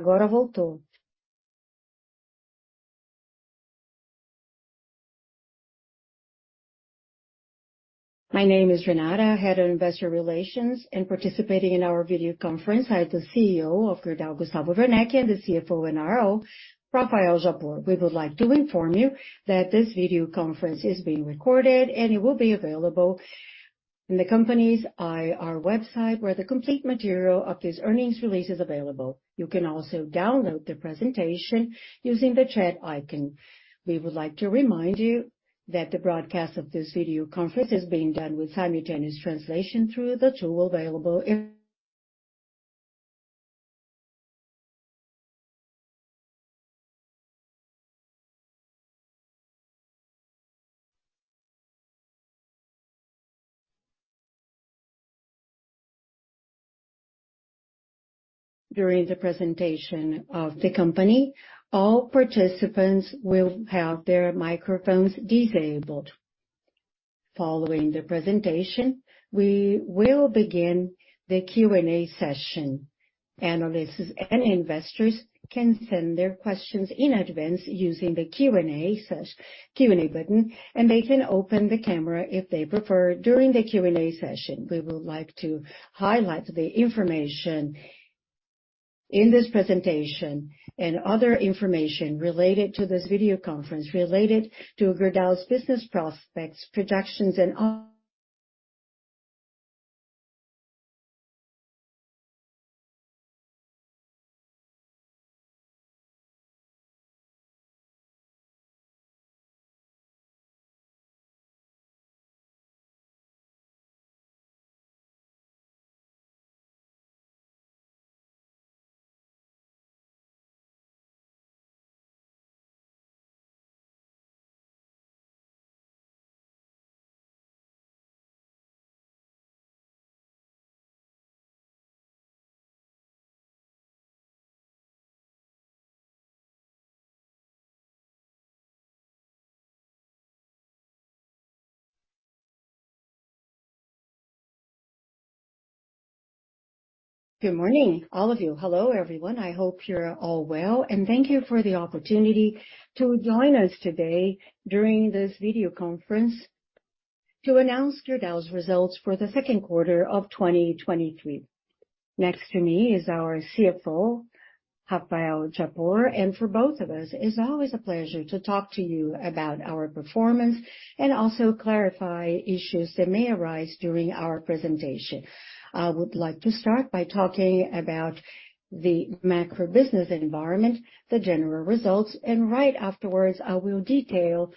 Agora voltou. My name is Renata, Head of Investor Relations, and participating in our video conference are the CEO of Gerdau, Gustavo Werneck, and the CFO and RO, Rafael Japur. We would like to inform you that this video conference is being recorded, and it will be available in the company's IR website, where the complete material of this earnings release is available. You can also download the presentation using the chat icon. We would like to remind you that the broadcast of this video conference is being done with simultaneous translation through the tool available in. During the presentation of the company, all participants will have their microphones disabled. Following the presentation, we will begin the Q&A session. Analysts and investors can send their questions in advance using the Q&A Q&A button, and they can open the camera if they prefer, during the Q&A session. We would like to highlight the information in this presentation and other information related to this video conference, related to Gerdau's business prospects, projections, and all. Good morning, all of you. Hello, everyone. I hope you're all well. Thank you for the opportunity to join us today during this video conference to announce Gerdau's results for the second quarter of 2023. Next to me is our CFO, Rafael Japur. For both of us, it's always a pleasure to talk to you about our performance and also clarify issues that may arise during our presentation. I would like to start by talking about the macro business environment, the general results. Right afterwards, I will detail,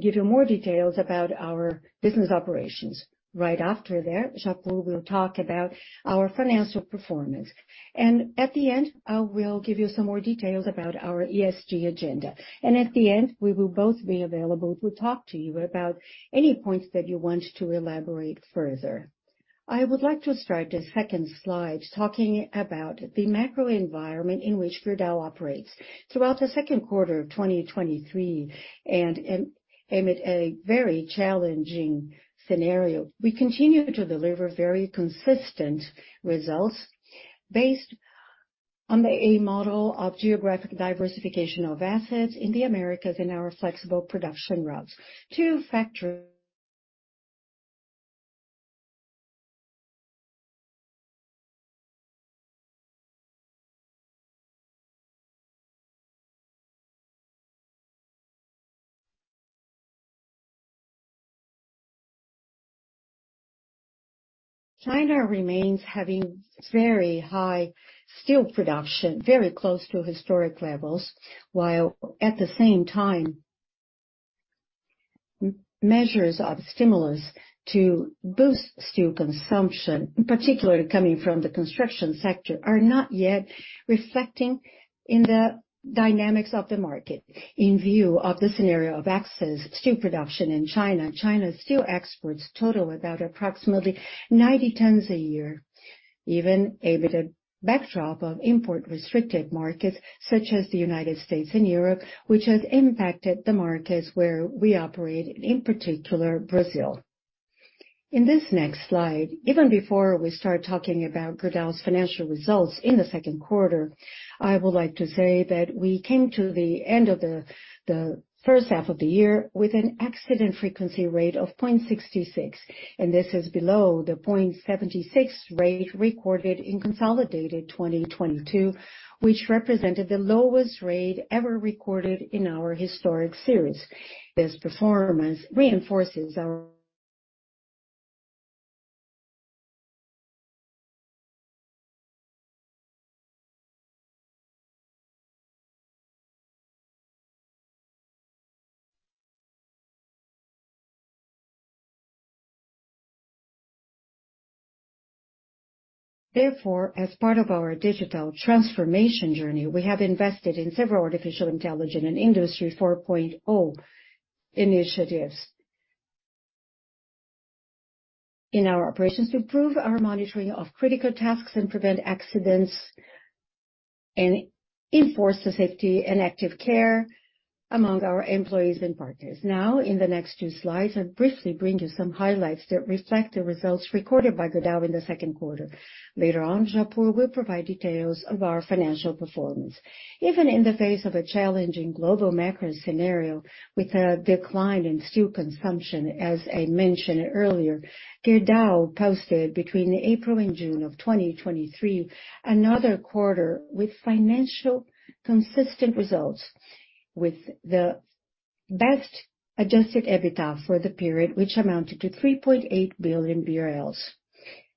give you more details about our business operations. Right after that, Japur will talk about our financial performance. At the end, I will give you some more details about our ESG agenda. At the end, we will both be available to talk to you about any points that you want to elaborate further. I would like to start the second slide, talking about the macro environment in which Gerdau operates. Throughout the second quarter of 2023, and amid a very challenging scenario, we continued to deliver very consistent results based on a model of geographic diversification of assets in the Americas, in our flexible production routes. Two factors. China remains having very high steel production, very close to historic levels, while at the same time, measures of stimulus to boost steel consumption, particularly coming from the construction sector, are not yet reflecting in the dynamics of the market. In view of the scenario of excess steel production in China, China's steel exports total about approximately 90 tons a year. Even amid a backdrop of import-restricted markets, such as the United States and Europe, which has impacted the markets where we operate, in particular, Brazil. In this next slide, even before we start talking about Gerdau's financial results in the second quarter, I would like to say that we came to the end of the first half of the year with an accident frequency rate of 0.66, this is below the 0.76 rate recorded in consolidated 2022, which represented the lowest rate ever recorded in our historic series. This performance reinforces our... As part of our digital transformation journey, we have invested in several artificial intelligence and Industry 4.0 initiatives in our operations to improve our monitoring of critical tasks and prevent accidents and enforce the safety and active care among our employees and partners. In the next two slides, I'll briefly bring you some highlights that reflect the results recorded by Gerdau in the second quarter. Later on, Japur will provide details of our financial performance. Even in the face of a challenging global macro scenario, with a decline in steel consumption, as I mentioned earlier, Gerdau posted between April and June of 2023, another quarter with financial consistent results, with the best adjusted EBITDA for the period, which amounted to 3.8 billion BRL.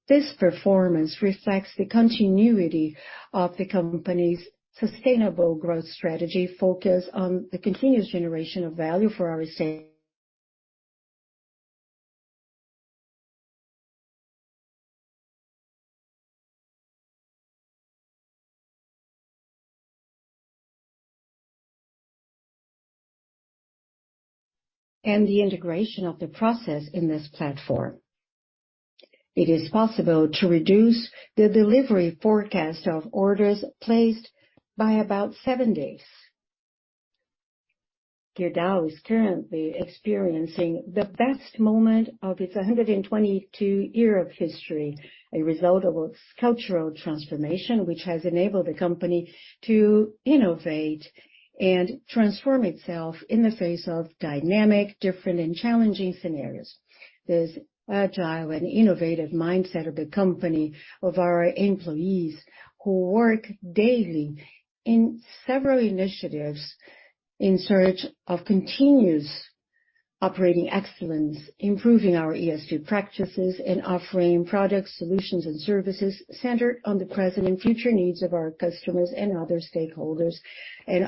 This performance reflects the continuity of the company's sustainable growth strategy, focused on the continuous generation of value for our stake. The integration of the process in this platform, it is possible to reduce the delivery forecast of orders placed by about 7 days. Gerdau is currently experiencing the best moment of its 122-year of history, a result of its cultural transformation, which has enabled the company to innovate and transform itself in the face of dynamic, different and challenging scenarios. This agile and innovative mindset of the company, of our employees, who work daily in several initiatives in search of continuous operating excellence, improving our ESG practices, and offering products, solutions, and services centered on the present and future needs of our customers and other stakeholders.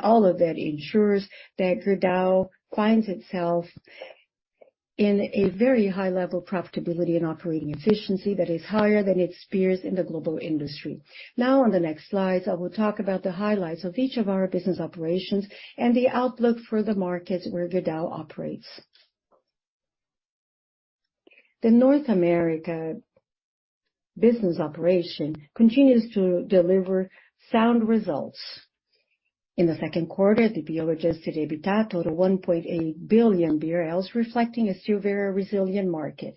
All of that ensures that Gerdau finds itself in a very high-level profitability and operating efficiency that is higher than its peers in the global industry. On the next slides, I will talk about the highlights of each of our business operations and the outlook for the markets where Gerdau operates. The North America business operation continues to deliver sound results. In the second quarter, the bio-adjusted EBITDA totaled 1.8 billion BRL, reflecting a silver resilient market.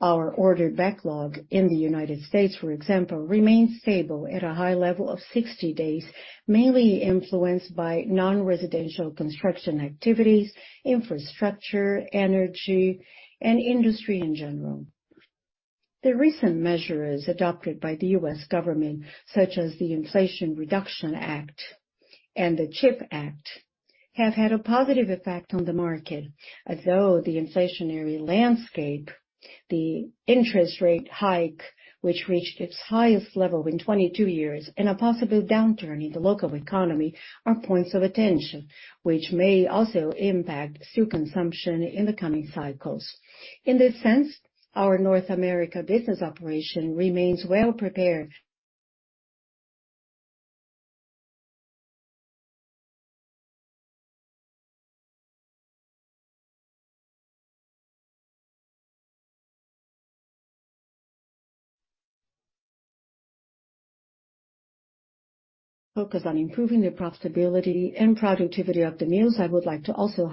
Our order backlog in the United States, for example, remains stable at a high level of 60 days, mainly influenced by non-residential construction activities, infrastructure, energy, and industry in general. The recent measures adopted by the U.S. government, such as the Inflation Reduction Act and the CHIPS Act, have had a positive effect on the market, although the inflationary landscape, the interest rate hike, which reached its highest level in 22 years, and a possible downturn in the local economy, are points of attention, which may also impact steel consumption in the coming cycles. In this sense, our North America business operation remains well prepared. Focus on improving the profitability and productivity of the mills. I would like to also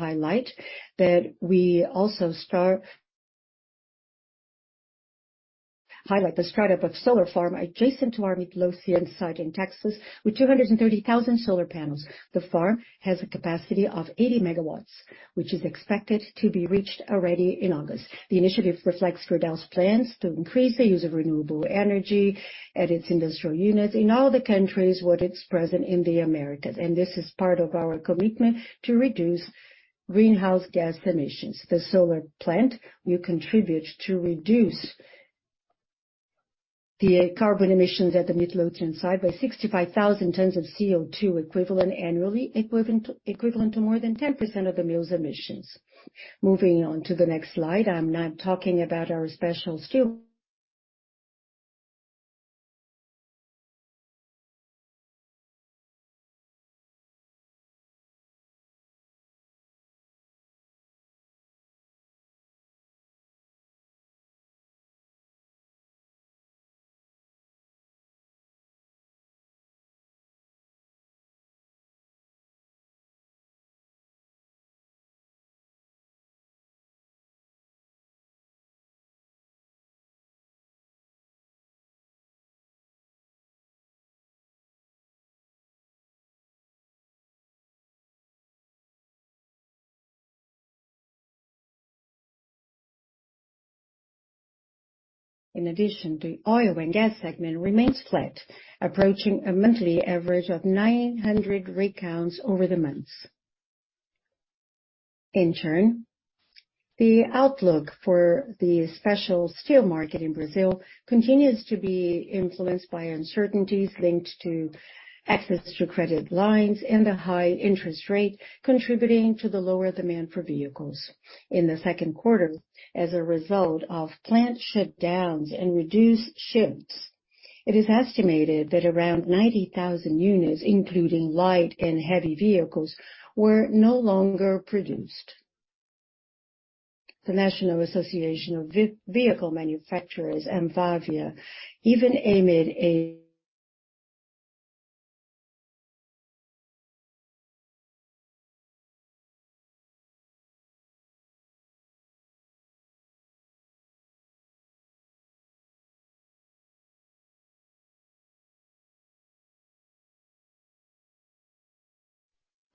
highlight the startup of solar farm adjacent to our Midlothian site in Texas. With 230,000 solar panels, the farm has a capacity of 80 megawatts, which is expected to be reached already in August. The initiative reflects Gerdau's plans to increase the use of renewable energy at its industrial units in all the countries where it's present in the Americas. This is part of our commitment to reduce greenhouse gas emissions. The solar plant will contribute to reduce the carbon emissions at the Midlothian site by 65,000 tons of CO2, equivalent annually, equivalent to more than 10% of the mill's emissions. Moving on to the next slide. I'm now talking about our special steel. In addition, the oil and gas segment remains flat, approaching a monthly average of 900 rig counts over the months. The outlook for the special steel market in Brazil continues to be influenced by uncertainties linked to access to credit lines and a high interest rate, contributing to the lower demand for vehicles. In the second quarter, as a result of plant shutdowns and reduced shifts, it is estimated that around 90,000 units, including light and heavy vehicles, were no longer produced. The National Association of Vehicle Manufacturers, Anfavea, even amid a.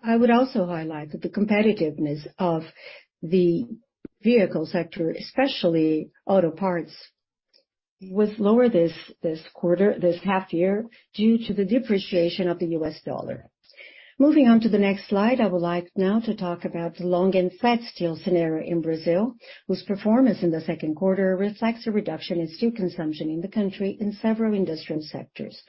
I would also highlight that the competitiveness of the vehicle sector, especially auto parts, was lower this quarter, this half year, due to the depreciation of the US dollar. Moving on to the next slide, I would like now to talk about the long and flat steel scenario in Brazil, whose performance in the second quarter reflects a reduction in steel consumption in the country in several industrial sectors.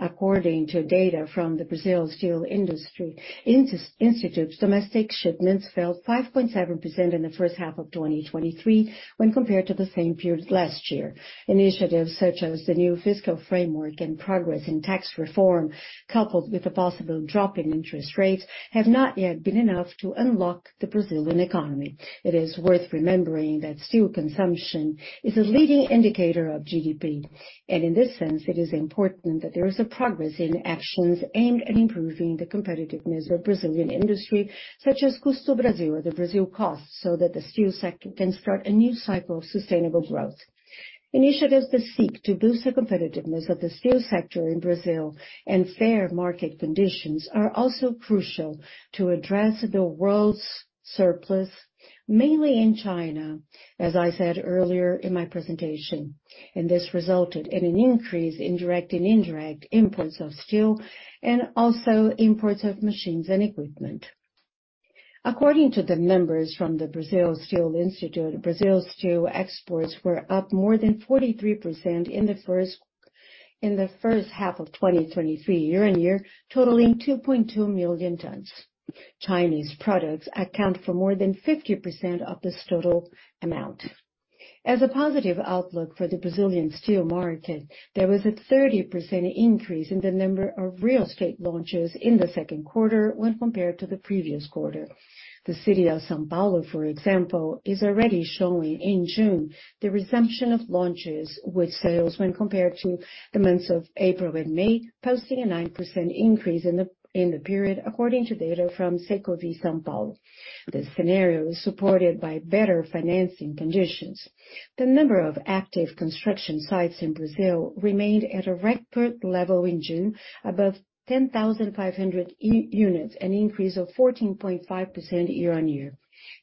According to data from the Brazil Steel Industry Institute, domestic shipments fell 5.7% in the first half of 2023 when compared to the same period last year. Initiatives such as the new fiscal framework and progress in tax reform, coupled with the possible drop in interest rates, have not yet been enough to unlock the Brazilian economy. It is worth remembering that steel consumption is a leading indicator of GDP, and in this sense, it is important that there is a progress in actions aimed at improving the competitiveness of Brazilian industry, such as Custo Brasil or the Brazil Cost, so that the steel can start a new cycle of sustainable growth. Initiatives that seek to boost the competitiveness of the steel sector in Brazil and fair market conditions are also crucial to address the world's surplus, mainly in China, as I said earlier in my presentation. This resulted in an increase in direct and indirect imports of steel and also imports of machines and equipment. According to the members from the Brazil Steel Institute, Brazil steel exports were up more than 43% in the first half of 2023, year-on-year, totaling 2.2 million tons. Chinese products account for more than 50% of this total amount. As a positive outlook for the Brazilian steel market, there was a 30% increase in the number of real estate launches in the second quarter when compared to the previous quarter. The city of São Paulo, for example, is already showing in June, the resumption of launches with sales when compared to the months of April and May, posting a 9% increase in the period, according to data from Secovi São Paulo. This scenario is supported by better financing conditions. The number of active construction sites in Brazil remained at a record level in June, above 10,500 units, an increase of 14.5%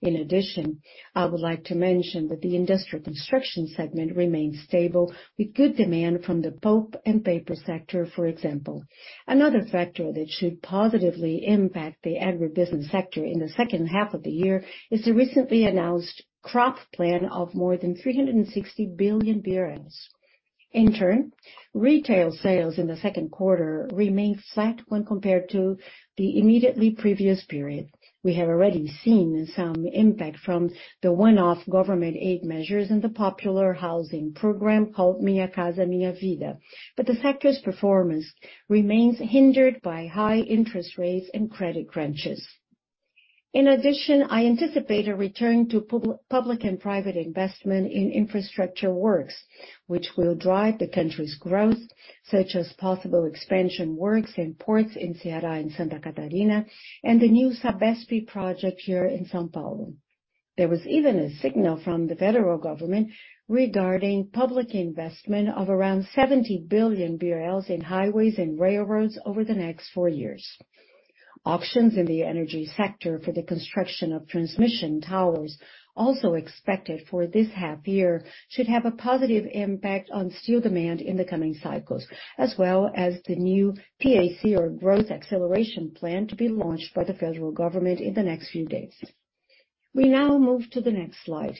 year-on-year. I would like to mention that the industrial construction segment remains stable, with good demand from the pulp and paper sector, for example. Another factor that should positively impact the agribusiness sector in the second half of the year, is the recently announced crop plan of more than 360 billion. In turn, retail sales in the second quarter remained flat when compared to the immediately previous period. We have already seen some impact from the one-off government aid measures and the popular housing program called Minha Casa Minha Vida, but the sector's performance remains hindered by high interest rates and credit crunches. I anticipate a return to public and private investment in infrastructure works, which will drive the country's growth, such as possible expansion works in ports in Ceará and Santa Catarina, and the new Sabesp project here in São Paulo. There was even a signal from the federal government regarding public investment of around 70 billion BRL in highways and railroads over the next 4 years. Auctions in the energy sector for the construction of transmission towers, also expected for this half year, should have a positive impact on steel demand in the coming cycles, as well as the new PAC or growth acceleration plan to be launched by the federal government in the next few days. We now move to the next slide.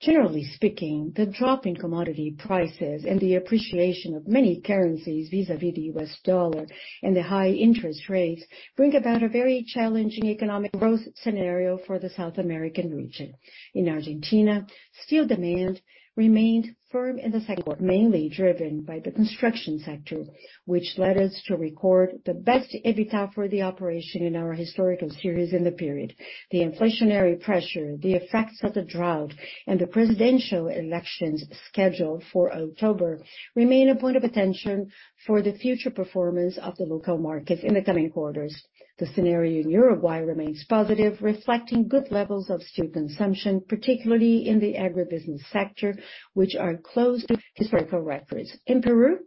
Generally speaking, the drop in commodity prices and the appreciation of many currencies vis-a-vis the US dollar and the high interest rates, bring about a very challenging economic growth scenario for the South American region. In Argentina, steel demand remained firm in the second quarter, mainly driven by the construction sector, which led us to record the best EBITDA for the operation in our historical series in the period. The inflationary pressure, the effects of the drought, and the presidential elections scheduled for October, remain a point of attention for the future performance of the local market in the coming quarters. The scenario in Uruguay remains positive, reflecting good levels of steel consumption, particularly in the agribusiness sector, which are close to historical records. In Peru,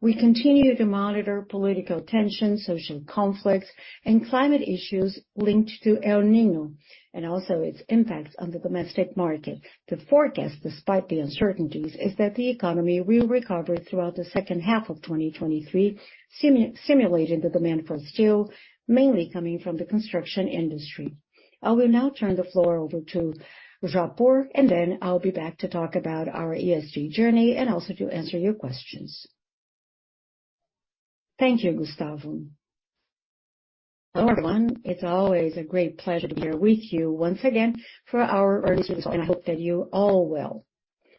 we continue to monitor political tension, social conflicts, and climate issues linked to El Niño, and also its impacts on the domestic market. The forecast, despite the uncertainties, is that the economy will recover throughout the second half of 2023, stimulating the demand for steel, mainly coming from the construction industry. I will now turn the floor over to Japur, and then I'll be back to talk about our ESG journey and also to answer your questions. Thank you, Gustavo. Hello, everyone. It's always a great pleasure to be here with you once again for our earnings. I hope that you're all well.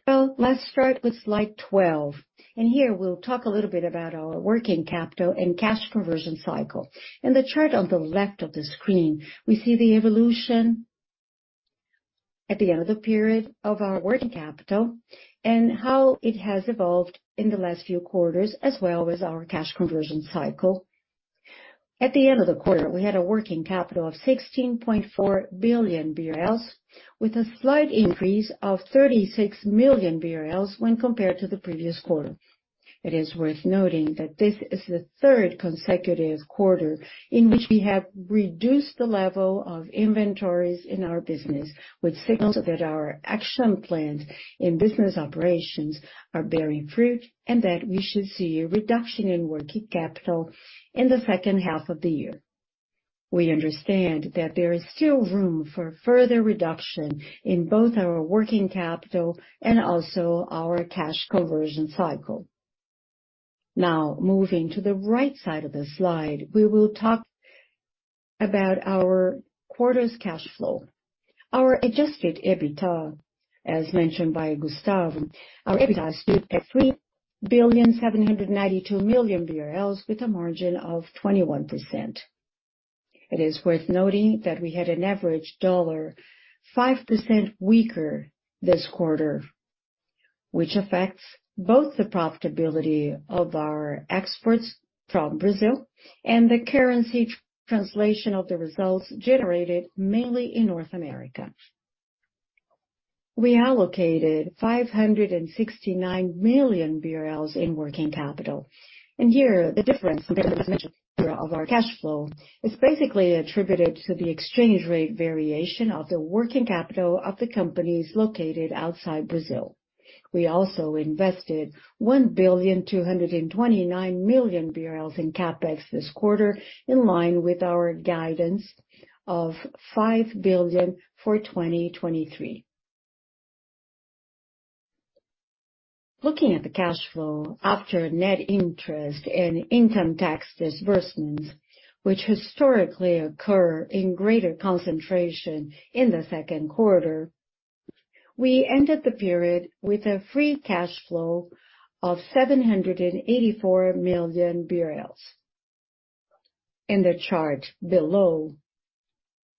Well, let's start with slide 12, and here we'll talk a little bit about our working capital and cash conversion cycle. In the chart on the left of the screen, we see the evolution at the end of the period of our working capital and how it has evolved in the last few quarters, as well as our cash conversion cycle. At the end of the quarter, we had a working capital of 16.4 billion BRL, with a slight increase of 36 million BRL when compared to the previous quarter. It is worth noting that this is the third consecutive quarter in which we have reduced the level of inventories in our business, which signals that our action plans in business operations are bearing fruit, and that we should see a reduction in working capital in the second half of the year. We understand that there is still room for further reduction in both our working capital and also our cash conversion cycle. Now, moving to the right side of the slide, we will talk about our quarter's cash flow. Our adjusted EBITDA, as mentioned by Gustavo, our EBITDA stood at 3,792 million BRL, with a margin of 21%. It is worth noting that we had an average dollar 5% weaker this quarter, which affects both the profitability of our exports from Brazil and the currency translation of the results generated mainly in North America. We allocated 569 million BRL in working capital, and here the difference, of our cash flow is basically attributed to the exchange rate variation of the working capital of the companies located outside Brazil. We also invested 1.229 billion BRL in CapEx this quarter, in line with our guidance of 5 billion for 2023. Looking at the cash flow after net interest and income tax disbursements, which historically occur in greater concentration in the second quarter, we ended the period with a free cash flow of 784 million BRL. In the chart below,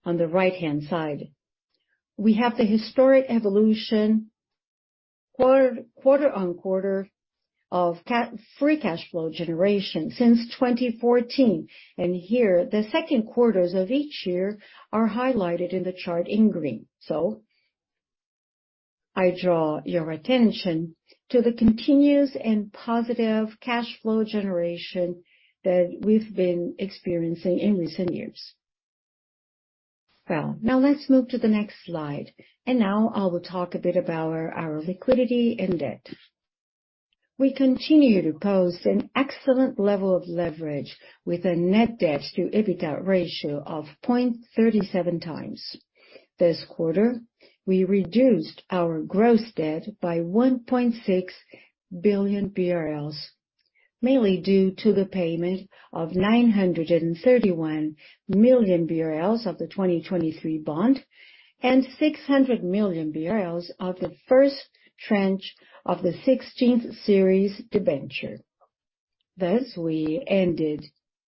on the right-hand side, we have the historic evolution quarter-on-quarter of free cash flow generation since 2014, here, the second quarters of each year are highlighted in the chart in green. I draw your attention to the continuous and positive cash flow generation that we've been experiencing in recent years. Well, now let's move to the next slide, now I will talk a bit about our liquidity and debt. We continue to post an excellent level of leverage with a net debt to EBITDA ratio of 0.37 times. This quarter, we reduced our gross debt by 1.6 billion BRL, mainly due to the payment of 931 million BRL of the 2023 bond and 600 million BRL of the first tranche of the 16th series debenture. Thus, we ended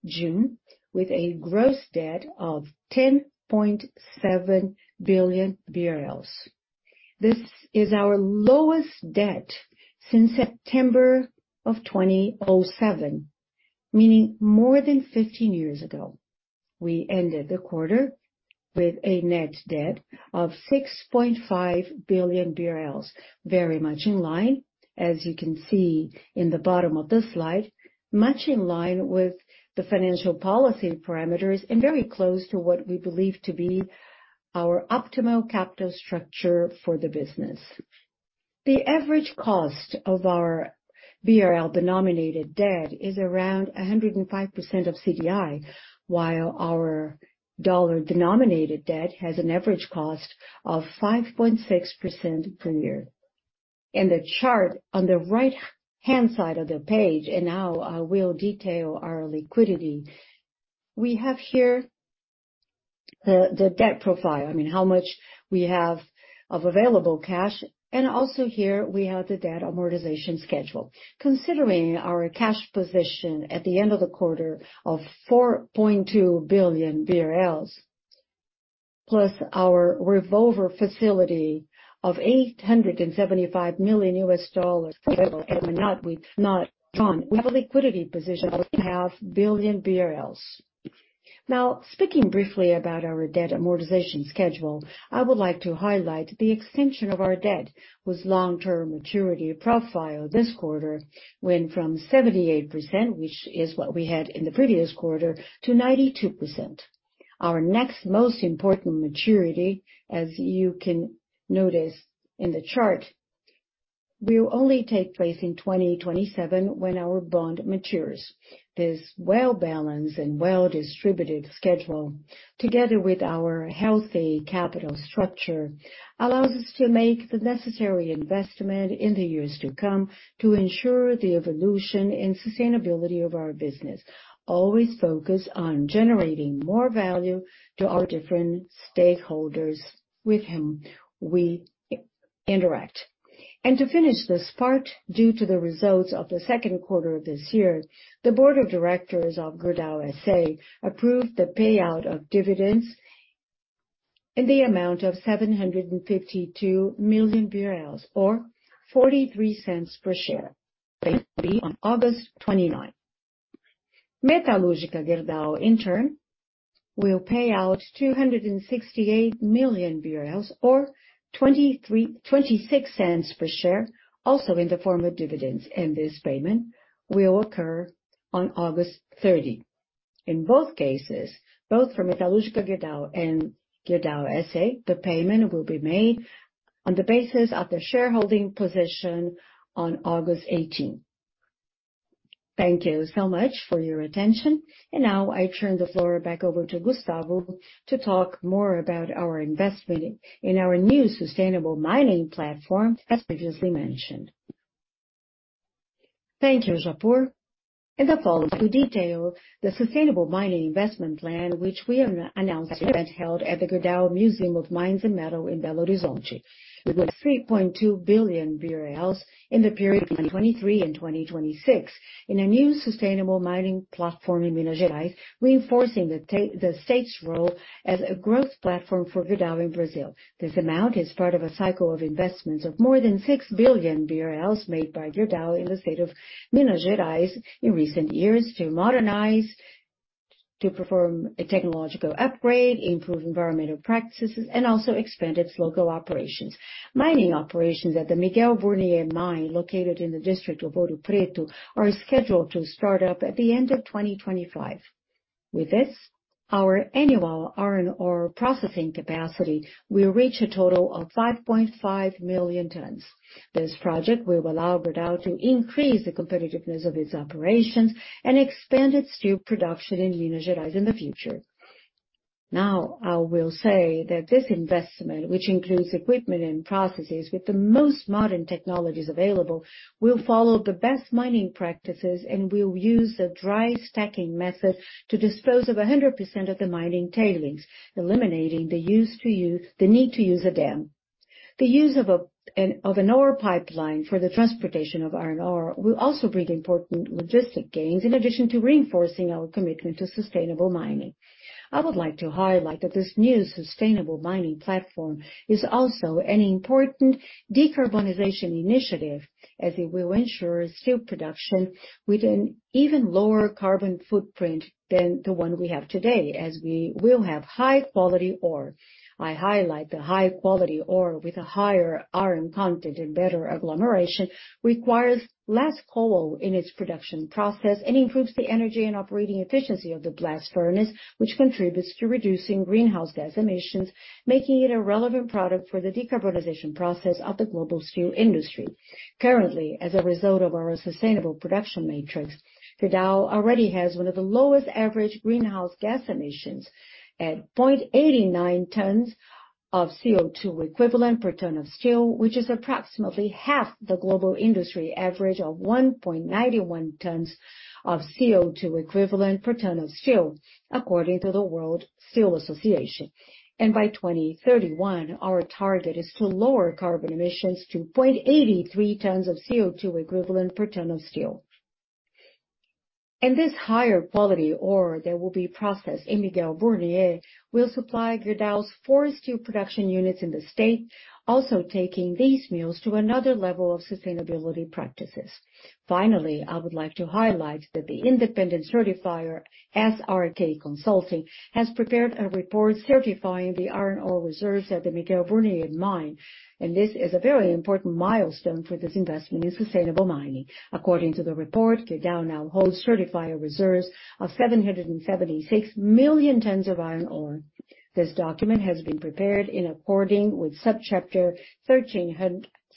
June with a gross debt of 10.7 billion BRL. This is our lowest debt since September of 2007, meaning more than 15 years ago. We ended the quarter with a net debt of 6.5 billion BRL, very much in line, as you can see in the bottom of this slide, much in line with the financial policy parameters and very close to what we believe to be our optimal capital structure for the business. The average cost of our BRL-denominated debt is around 105% of CDI, while our dollar-denominated debt has an average cost of 5.6% per year. In the chart on the right-hand side of the page, now I will detail our liquidity. We have here the debt profile, I mean, how much we have of available cash, and also here we have the debt amortization schedule. Considering our cash position at the end of the quarter of 4.2 billion BRL, plus our revolver facility of $875 million. We have a liquidity position of 500 million BRL. Now, speaking briefly about our debt amortization schedule, I would like to highlight the extension of our debt, whose long-term maturity profile this quarter went from 78%, which is what we had in the previous quarter, to 92%. Our next most important maturity, as you can notice in the chart, will only take place in 2027, when our bond matures. This well-balanced and well-distributed schedule, together with our healthy capital structure, allows us to make the necessary investment in the years to come to ensure the evolution and sustainability of our business, always focused on generating more value to our different stakeholders with whom we interact. To finish this part, due to the results of the 2Q of this year, the board of directors of Gerdau S.A. approved the payout of dividends in the amount of 752 million BRL, or 0.43 per share, on August 29th. Metalurgica Gerdau, in turn, will pay out 268 million BRL, or 0.26 per share, also in the form of dividends, and this payment will occur on August 30th. In both cases, both for Metalurgica Gerdau and Gerdau S.A., the payment will be made on the basis of the shareholding position on August 18th. Thank you so much for your attention, and now I turn the floor back over to Gustavo to talk more about our investment in our new sustainable mining platform, as previously mentioned. Thank you, Japur. In the following, we detail the sustainable mining investment plan, which we announced event held at the Gerdau Museum of Mines and Metal in Belo Horizonte, with 3.2 billion BRL in the period between 2023 and 2026, in a new sustainable mining platform in Minas Gerais, reinforcing the state's role as a growth platform for Gerdau in Brazil. This amount is part of a cycle of investments of more than 6 billion BRL made by Gerdau in the state of Minas Gerais in recent years to modernize, to perform a technological upgrade, improve environmental practices, and also expand its local operations. Mining operations at the Miguel Burnier mine, located in the district of Ouro Preto, are scheduled to start up at the end of 2025. With this, our annual iron ore processing capacity will reach a total of 5.5 million tons. This project will allow Gerdau to increase the competitiveness of its operations and expand its steel production in Minas Gerais in the future. Now, I will say that this investment, which includes equipment and processes with the most modern technologies available, will follow the best mining practices and will use the dry stacking method to dispose of 100% of the mining tailings, eliminating the need to use a dam. The use of an ore pipeline for the transportation of iron ore will also bring important logistic gains, in addition to reinforcing our commitment to sustainable mining. I would like to highlight that this new sustainable mining platform is also an important decarbonization initiative, as it will ensure steel production with an even lower carbon footprint than the one we have today, as we will have high quality ore. I highlight the high quality ore with a higher iron content and better agglomeration, requires less coal in its production process and improves the energy and operating efficiency of the blast furnace, which contributes to reducing greenhouse gas emissions, making it a relevant product for the decarbonization process of the global steel industry. Currently, as a result of our sustainable production matrix, Gerdau already has one of the lowest average greenhouse gas emissions at 0.89 tons of CO2 equivalent per ton of steel, which is approximately half the global industry average of 1.91 tons of CO2 equivalent per ton of steel, according to the World Steel Association. By 2031, our target is to lower carbon emissions to 0.83 tons of CO2 equivalent per ton of steel. This higher quality ore that will be processed in Miguel Burnier, will supply Gerdau's four steel production units in the state, also taking these mills to another level of sustainability practices. Finally, I would like to highlight that the independent certifier, SRK Consulting, has prepared a report certifying the iron ore reserves at the Miguel Burnier mine, and this is a very important milestone for this investment in sustainable mining. According to the report, Gerdau now holds certified reserves of 776 million tons of iron ore. This document has been prepared in accordance with subchapter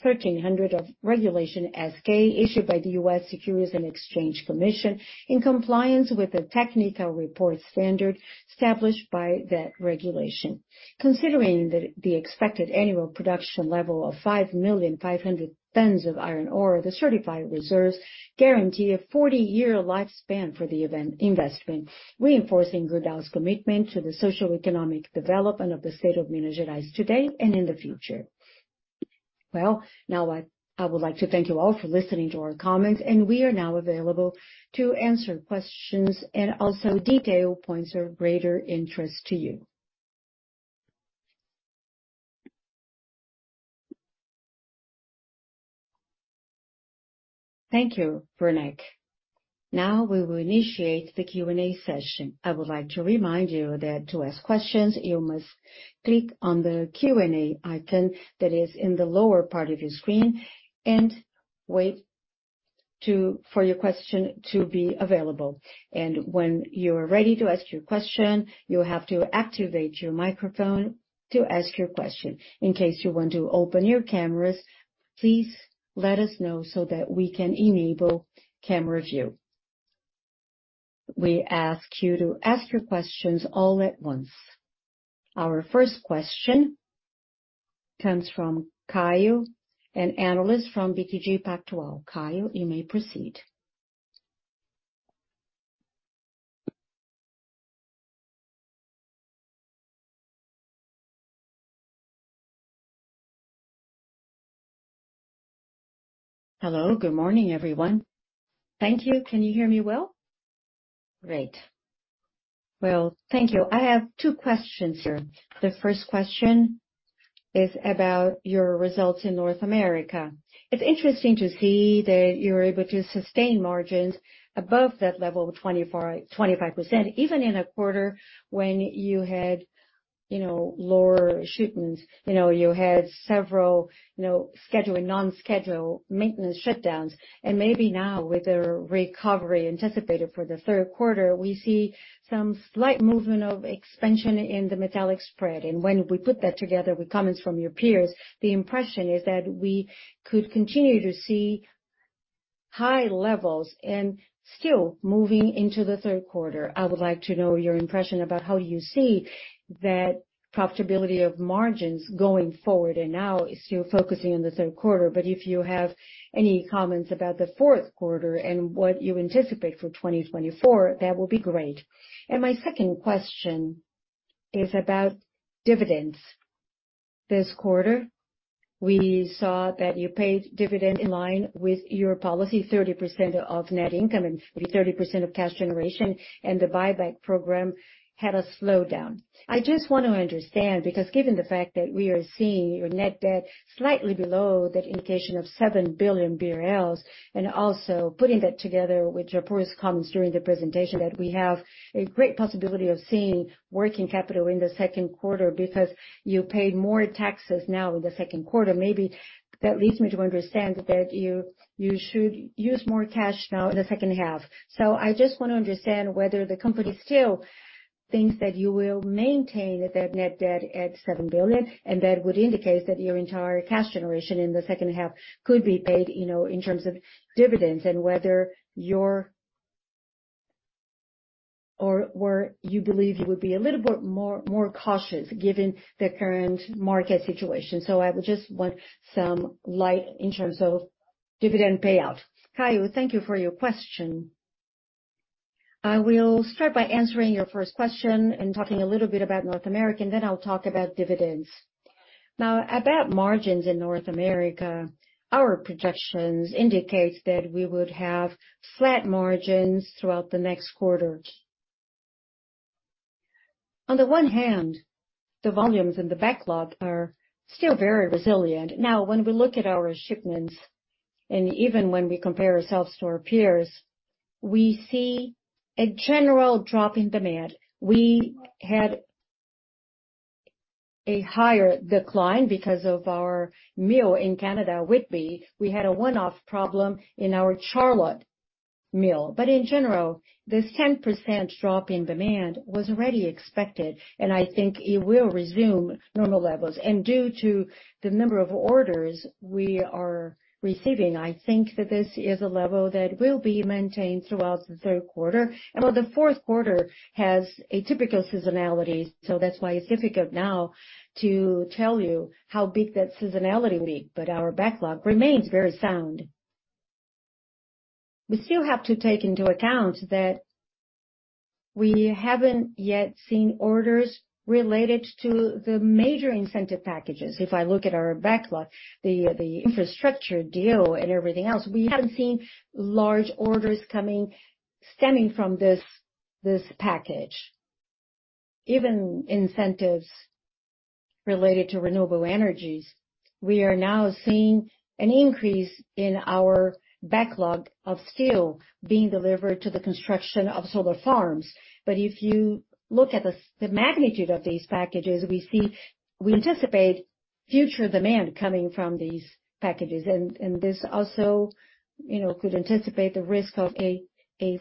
1,300 of Regulation S-K, issued by the US Securities and Exchange Commission, in compliance with the technical report standard established by that regulation. Considering that the expected annual production level of 5,000,500 tons of iron ore, the certified reserves guarantee a 40-year lifespan for the event investment, reinforcing Gerdau's commitment to the socioeconomic development of the state of Minas Gerais, today and in the future. Well, now I would like to thank you all for listening to our comments, and we are now available to answer questions and also detail points of greater interest to you. Thank you, Werneck. We will initiate the Q&A session. I would like to remind you that to ask questions, you must click on the Q&A icon that is in the lower part of your screen, and wait for your question to be available. When you are ready to ask your question, you have to activate your microphone to ask your question. In case you want to open your cameras, please let us know so that we can enable camera view. We ask you to ask your questions all at once. Our first question comes from Caio, an analyst from BTG Pactual. Caio, you may proceed. Hello, good morning, everyone. Thank you. Can you hear me well? Great. Well, thank you. I have two questions here. The first question is about your results in North America. It's interesting to see that you're able to sustain margins above that level of 24%-25%, even in a quarter when you had, you know, lower shipments. You know, you had several, you know, scheduled and non-scheduled maintenance shutdowns. Maybe now, with a recovery anticipated for the 3rd quarter, we see some slight movement of expansion in the metallic spread. When we put that together with comments from your peers, the impression is that we could continue to see high levels and still moving into the 3rd quarter. I would like to know your impression about how you see that profitability of margins going forward, and now still focusing on the 3rd quarter. If you have any comments about the 4th quarter and what you anticipate for 2024, that would be great. My second question is about dividends. This quarter, we saw that you paid dividend in line with your policy, 30% of net income and 30% of cash generation. The buyback program had a slowdown. I just want to understand, because given the fact that we are seeing your net debt slightly below that indication of 7 billion BRL, and also putting that together with Jabor's comments during the presentation, that we have a great possibility of seeing working capital in the second quarter because you paid more taxes now in the second quarter. Maybe that leads me to understand that you should use more cash now in the second half. I just want to understand whether the company still thinks that you will maintain that net debt at $7 billion, and that would indicate that your entire cash generation in the second half could be paid, you know, in terms of dividends, and whether your... you believe you would be a little bit more, more cautious given the current market situation? I would just want some light in terms of dividend payout. Caio, thank you for your question. I will start by answering your first question and talking a little bit about North America, and then I'll talk about dividends. About margins in North America, our projections indicates that we would have flat margins throughout the next quarters. On the one hand, the volumes in the backlog are still very resilient. Now, when we look at our shipments, and even when we compare ourselves to our peers, we see a general drop in demand. We had a higher decline because of our mill in Canada, Whitby. We had a one-off problem in our Charlotte mill. In general, this 10% drop in demand was already expected, and I think it will resume normal levels. Due to the number of orders we are receiving, I think that this is a level that will be maintained throughout the third quarter. While the fourth quarter has a typical seasonality, so that's why it's difficult now to tell you how big that seasonality will be, but our backlog remains very sound. We still have to take into account that we haven't yet seen orders related to the major incentive packages. If I look at our backlog, the, the infrastructure deal and everything else, we haven't seen large orders coming, stemming from this, this package. Even incentives related to renewable energies, we are now seeing an increase in our backlog of steel being delivered to the construction of solar farms. If you look at the magnitude of these packages, we anticipate future demand coming from these packages, and, and this also, you know, could anticipate the risk of a, a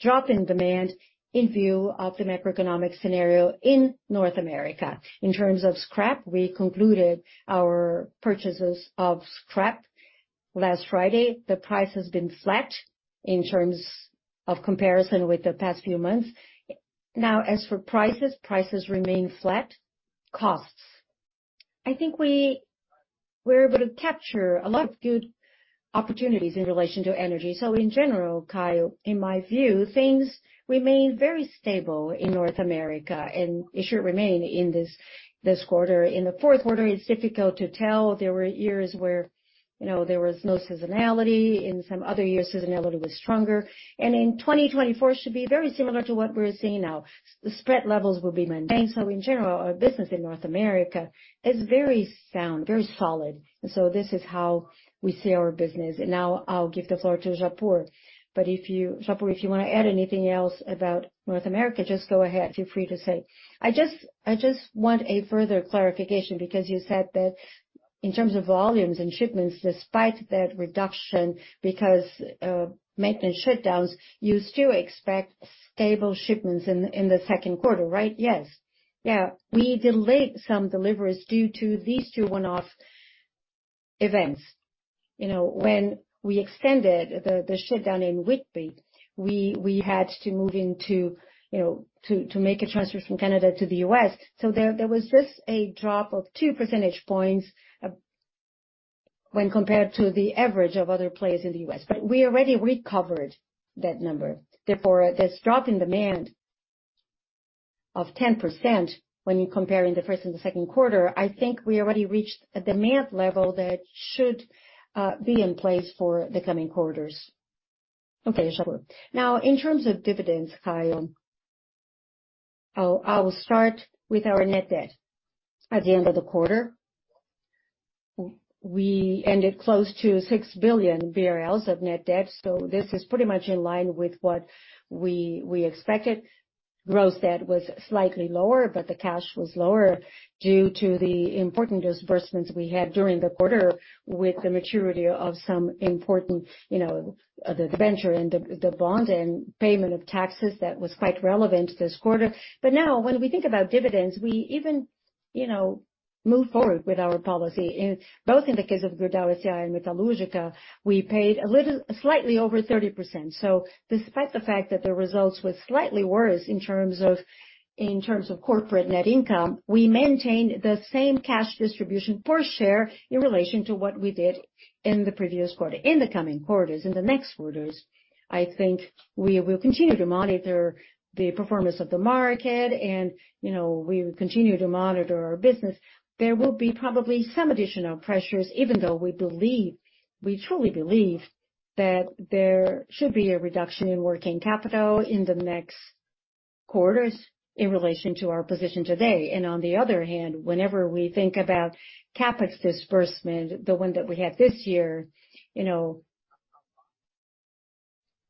drop in demand in view of the macroeconomic scenario in North America. In terms of scrap, we concluded our purchases of scrap last Friday. The price has been flat in terms of comparison with the past few months. As for prices, prices remain flat. Costs. I think we, we're able to capture a lot of good opportunities in relation to energy. In general, Caio, in my view, things remain very stable in North America, and it should remain in this, this quarter. In the fourth quarter, it's difficult to tell. There were years where, you know, there was no seasonality. In some other years, seasonality was stronger. In 2024 should be very similar to what we're seeing now. The spread levels will be maintained. In general, our business in North America is very sound, very solid. This is how we see our business. Now I'll give the floor to Japur. Japur, if you want to add anything else about North America, just go ahead, feel free to say. I just, I just want a further clarification, because you said that in terms of volumes and shipments, despite that reduction, because maintenance shutdowns, you still expect stable shipments in, in the second quarter, right? Yes. Yeah. We delayed some deliveries due to these 2 one-off events. You know, when we extended the, the shutdown in Whitby, we, we had to move into, you know, to, to make a transfer from Canada to the U.S. There, there was just a drop of 2 percentage points when compared to the average of other players in the U.S., but we already recovered that number. This drop in demand of 10% when you're comparing the first and the second quarter, I think we already reached a demand level that should be in place for the coming quarters. Okay, Japur. In terms of dividends, Caio, I will start with our net debt. At the end of the quarter, we ended close to 6 billion of net debt, so this is pretty much in line with what we expected. Gross debt was slightly lower, but the cash was lower due to the important disbursements we had during the quarter, with the maturity of some important, you know, the venture and the bond and payment of taxes. That was quite relevant this quarter. Now, when we think about dividends, we even, you know, move forward with our policy. In both in the case of Gerdau and Metalúrgica, we paid a little, slightly over 30%. Despite the fact that the results were slightly worse in terms of, in terms of corporate net income, we maintained the same cash distribution per share in relation to what we did in the previous quarter. In the coming quarters, in the next quarters, I think we will continue to monitor the performance of the market and, you know, we will continue to monitor our business. There will be probably some additional pressures, even though we believe, we truly believe, that there should be a reduction in working capital in the next quarters in relation to our position today. On the other hand, whenever we think about CapEx disbursement, the one that we had this year, you know,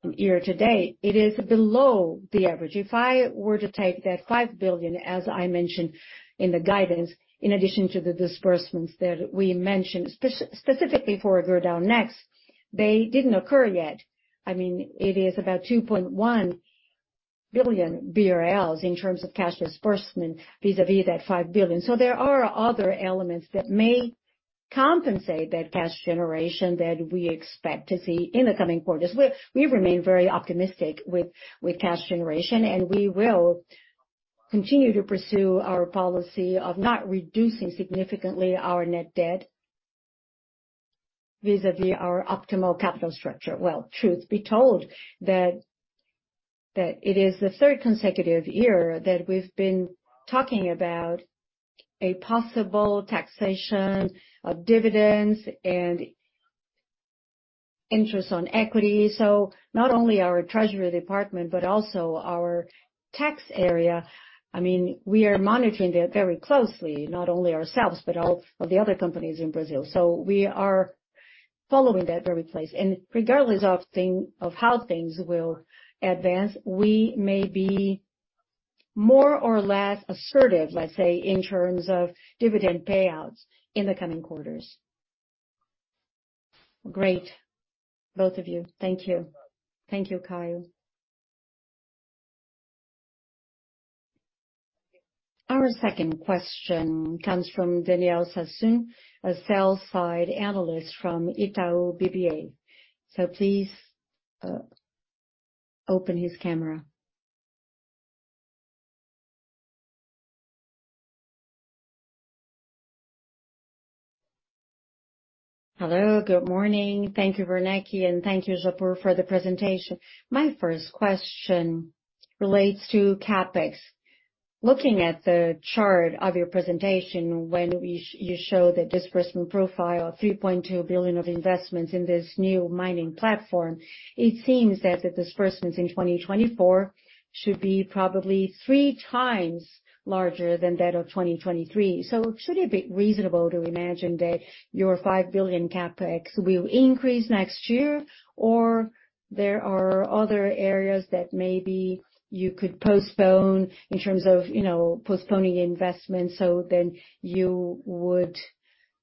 year to date, it is below the average. If I were to take that 5 billion, as I mentioned in the guidance, in addition to the disbursements that we mentioned, specifically for Gerdau Next, they didn't occur yet. I mean, it is about 2.1 billion BRL in terms of cash disbursement vis-a-vis that 5 billion. There are other elements that may compensate that cash generation that we expect to see in the coming quarters. We remain very optimistic with cash generation, and we will continue to pursue our policy of not reducing significantly our net debt vis-a-vis our optimal capital structure. Well, truth be told, that it is the third consecutive year that we've been talking about a possible taxation of dividends and interest on equity. Not only our treasury department, but also our tax area. I mean, we are monitoring that very closely, not only ourselves, but all of the other companies in Brazil. We are following that very place. Regardless of thing, of how things will advance, we may be more or less assertive, let's say, in terms of dividend payouts in the coming quarters. Great, both of you. Thank you. Thank you, Caio. Our second question comes from Daniel Sasson, a sales side analyst from Itaú BBA. Please, open his camera. Hello, good morning. Thank you, Werneck, and thank you, Japur, for the presentation. My first question relates to CapEx. Looking at the chart of your presentation, when you, you show the disbursement profile of $3.2 billion of investments in this new mining platform, it seems that the disbursements in 2024 should be probably 3 times larger than that of 2023. Should it be reasonable to imagine that your $5 billion CapEx will increase next year? Or there are other areas that maybe you could postpone in terms of, you know, postponing investments, so then you would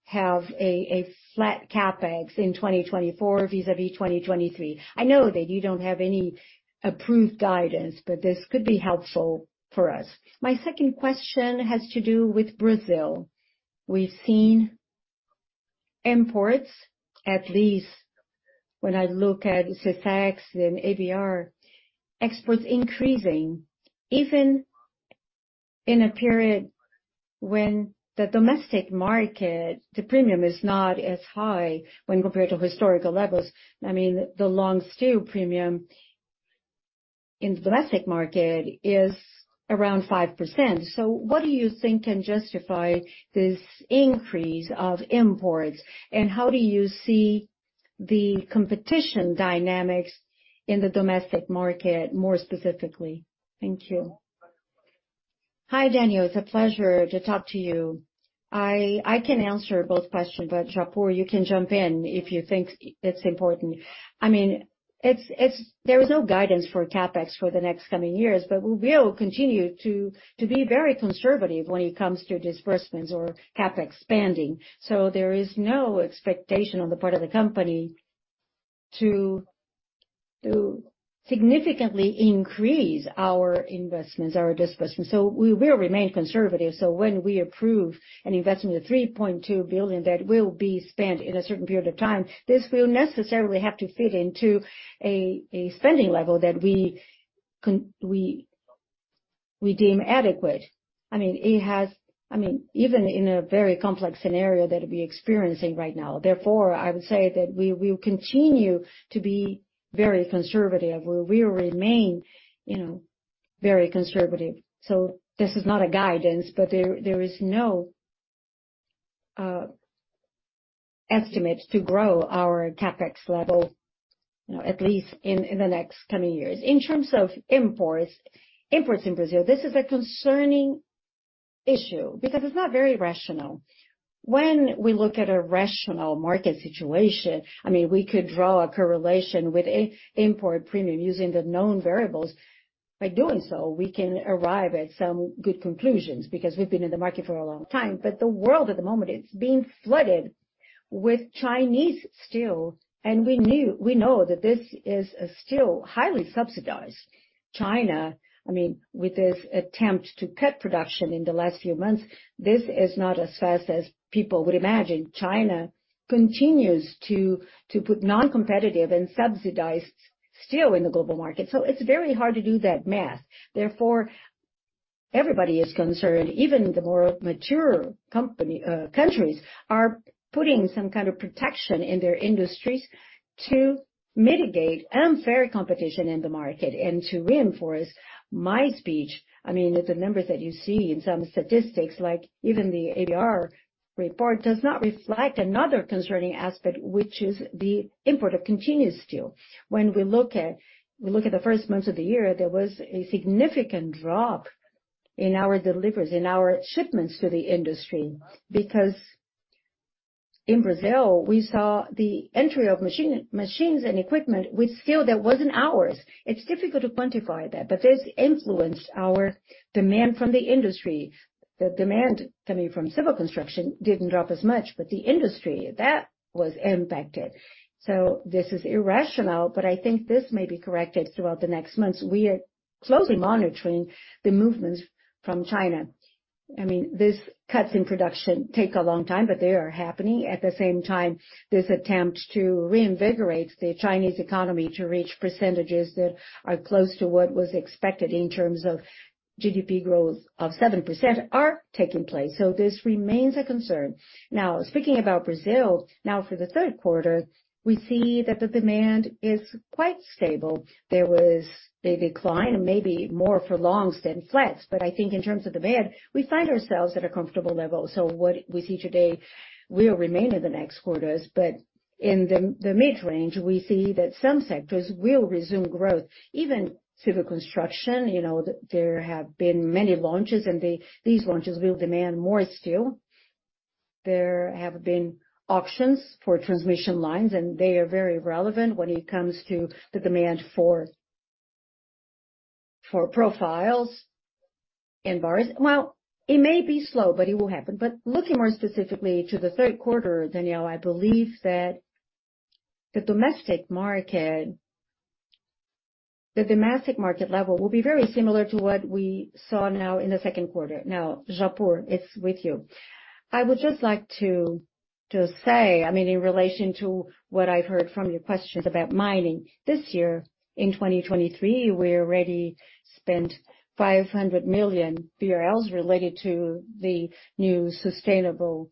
have a, a flat CapEx in 2024 vis-a-vis 2023. I know that you don't have any approved guidance, but this could be helpful for us. My second question has to do with Brazil. We've seen imports, at least when I look at SEFAZ and ABR, exports increasing, even in a period when the domestic market, the premium is not as high when compared to historical levels. I mean, the long steel premium in the domestic market is around 5%. What do you think can justify this increase of imports, and how do you see the competition dynamics in the domestic market, more specifically? Thank you. Hi, Daniel. It's a pleasure to talk to you. I can answer both questions, but Japur, you can jump in if you think it's important. I mean, there is no guidance for CapEx for the next coming years, but we will continue to be very conservative when it comes to disbursements or CapEx spending. There is no expectation on the part of the company to significantly increase our investments, our disbursements, so we will remain conservative. When we approve an investment of $3.2 billion, that will be spent in a certain period of time, this will necessarily have to fit into a spending level that we deem adequate. I mean, even in a very complex scenario that we're experiencing right now. Therefore, I would say that we will continue to be very conservative, or we will remain, you know, very conservative. This is not a guidance, but there, there is no estimate to grow our CapEx level, you know, at least in, in the next coming years. In terms of imports, imports in Brazil, this is a concerning issue because it's not very rational. When we look at a rational market situation, I mean, we could draw a correlation with a import premium using the known variables. By doing so, we can arrive at some good conclusions, because we've been in the market for a long time. The world at the moment, it's being flooded with Chinese steel, and we know that this is a steel highly subsidized. China, I mean, with its attempt to cut production in the last few months, this is not as fast as people would imagine. China continues to put non-competitive and subsidized steel in the global market. It's very hard to do that math. Therefore, everybody is concerned. Even the more mature company, countries are putting some kind of protection in their industries to mitigate unfair competition in the market. To reinforce my speech, I mean, the numbers that you see in some statistics, like even the ADR report, does not reflect another concerning aspect, which is the import of continuous steel. When we look at the first months of the year, there was a significant drop in our deliveries, in our shipments to the industry. Because in Brazil, we saw the entry of machines and equipment with steel that wasn't ours. It's difficult to quantify that, this influenced our demand from the industry. The demand coming from civil construction didn't drop as much, but the industry, that was impacted. This is irrational, but I think this may be corrected throughout the next months. We are closely monitoring the movements from China. I mean, these cuts in production take a long time, but they are happening. At the same time, this attempt to reinvigorate the Chinese economy to reach percentages that are close to what was expected in terms of GDP growth of 7% are taking place. This remains a concern. Now, speaking about Brazil, now, for the third quarter, we see that the demand is quite stable. There was a decline, maybe more for longs than flats. I think in terms of demand, we find ourselves at a comfortable level. What we see today will remain in the next quarters, but in the mid-range, we see that some sectors will resume growth. Even civil construction, you know, there have been many launches, and these launches will demand more steel. There have been auctions for transmission lines, and they are very relevant when it comes to the demand for profiles and bars. Well, it may be slow, but it will happen. Looking more specifically to the third quarter, Daniel, I believe that the domestic market level will be very similar to what we saw now in the second quarter. Japur, it's with you. I would just like to say, I mean, in relation to what I've heard from your questions about mining. This year, in 2023, we already spent 500 million BRL related to the new sustainable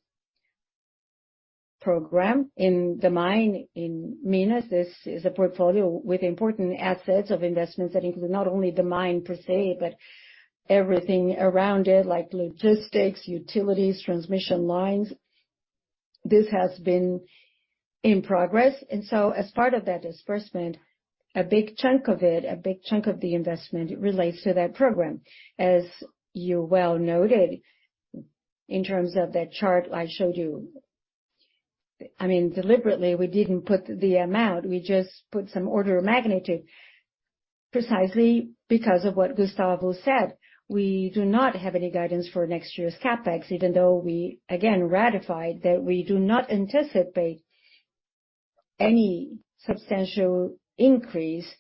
program in the mine in Minas. This is a portfolio with important assets of investments that include not only the mine per se, but everything around it, like logistics, utilities, transmission lines. This has been in progress. So as part of that disbursement, a big chunk of it, a big chunk of the investment relates to that program. As you well noted, in terms of that chart I showed you, I mean, deliberately, we didn't put the amount, we just put some order of magnitude, precisely because of what Gustavo said. We do not have any guidance for next year's CapEx, even though we again ratified that we do not anticipate any substantial increase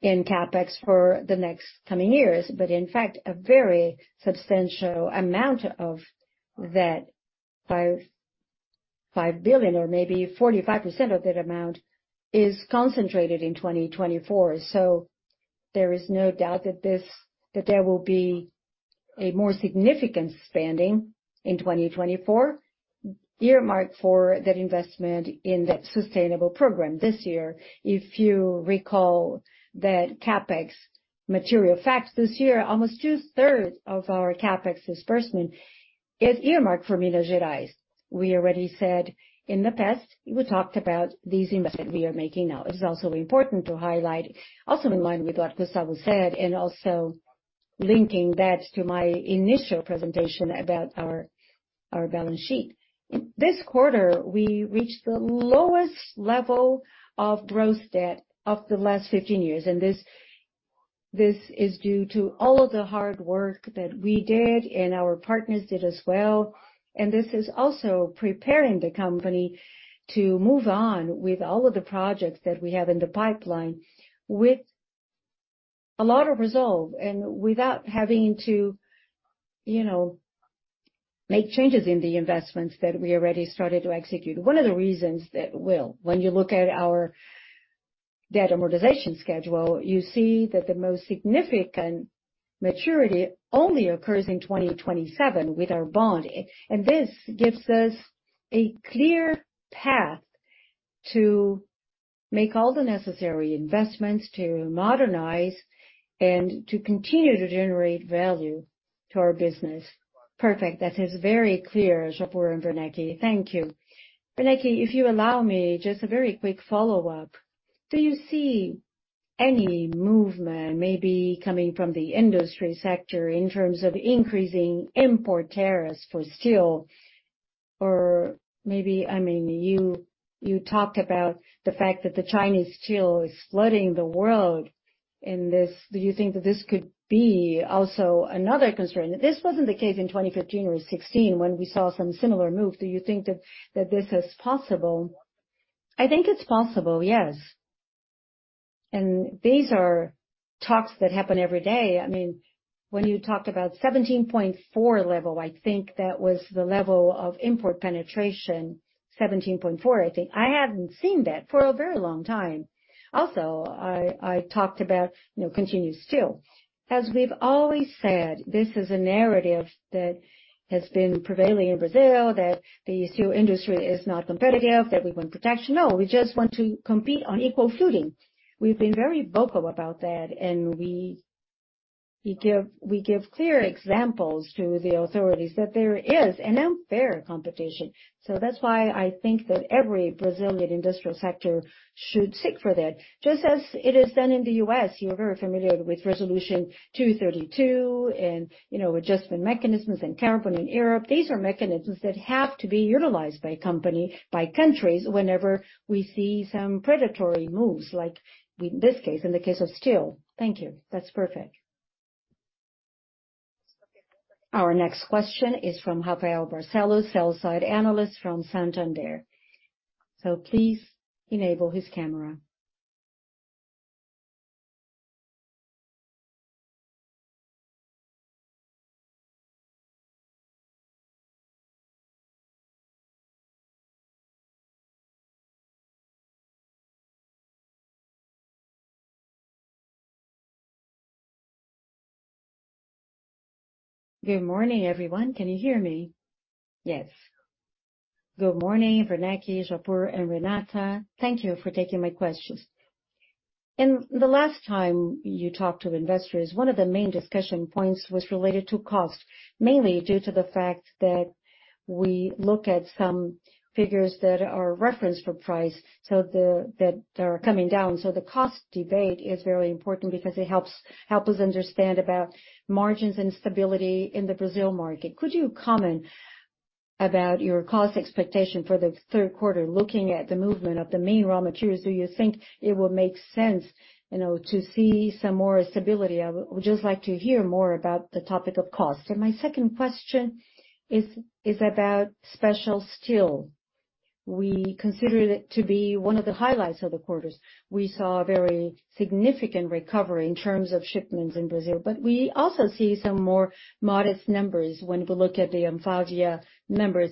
in CapEx for the next coming years. In fact, a very substantial amount of that $5.5 billion or maybe 45% of that amount is concentrated in 2024. There is no doubt that there will be a more significant spending in 2024, earmarked for that investment in that sustainable program this year. If you recall that CapEx material facts this year, almost two-thirds of our CapEx disbursement is earmarked for Minas Gerais. We already said in the past, we talked about these investments we are making now. It is also important to highlight, also in line with what Gustavo said, and also linking that to my initial presentation about our balance sheet. This quarter, we reached the lowest level of gross debt of the last 15 years, and this is due to all of the hard work that we did and our partners did as well. This is also preparing the company to move on with all of the projects that we have in the pipeline, with a lot of resolve and without having to, you know, make changes in the investments that we already started to execute. One of the reasons that, well, when you look at our debt amortization schedule, you see that the most significant maturity only occurs in 2027 with our bond. This gives us a clear path to make all the necessary investments to modernize and to continue to generate value to our business. Perfect. That is very clear, Japur and Werneck, thank you. Werneck, if you allow me, just a very quick follow-up. Do you see any movement maybe coming from the industry sector in terms of increasing import tariffs for steel? Maybe, I mean, you talked about the fact that the Chinese steel is flooding the world in this. Do you think that this could be also another constraint? This wasn't the case in 2015 or 2016 when we saw some similar moves. Do you think that this is possible? I think it's possible, yes. These are talks that happen every day. I mean, when you talked about 17.4 level, I think that was the level of import penetration, 17.4, I think. I haven't seen that for a very long time. I talked about, you know, continued steel. As we've always said, this is a narrative that has been prevailing in Brazil, that the steel industry is not competitive, that we want protection. We just want to compete on equal footing. We've been very vocal about that, we give clear examples to the authorities that there is an unfair competition. That's why I think that every Brazilian industrial sector should seek for that, just as it is done in the U.S. You're very familiar with Resolution 232 and, you know, adjustment mechanisms and tariff in Europe. These are mechanisms that have to be utilized by countries, whenever we see some predatory moves, like in this case, in the case of steel. Thank you. That's perfect. Our next question is from Rafael Barcelo, sell-side analyst from Santander. Please enable his camera. Good morning, everyone. Can you hear me? Yes. Good morning, Werneck, Japur, and Renata. Thank you for taking my questions. In the last time you talked to investors, one of the main discussion points was related to cost, mainly due to the fact that we look at some figures that are referenced for price, so that are coming down. The cost debate is very important because it helps, help us understand about margins and stability in the Brazil market. Could you comment about your cost expectation for the third quarter, looking at the movement of the main raw materials, do you think it would make sense, you know, to see some more stability? I would just like to hear more about the topic of cost. My second question is, is about special steel. We consider it to be one of the highlights of the quarters. We saw a very significant recovery in terms of shipments in Brazil, but we also see some more modest numbers when we look at the Anfavea numbers.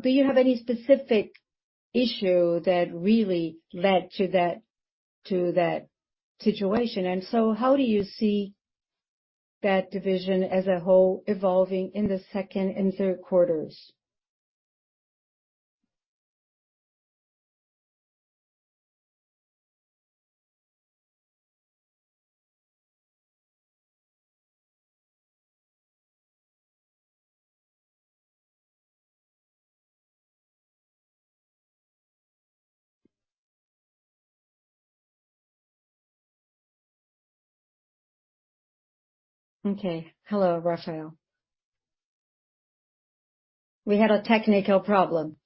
Do you have any specific issue that really led to that, to that situation? How do you see that division as a whole evolving in the second and third quarters? Okay. Hello, Rafael. We had a technical problem.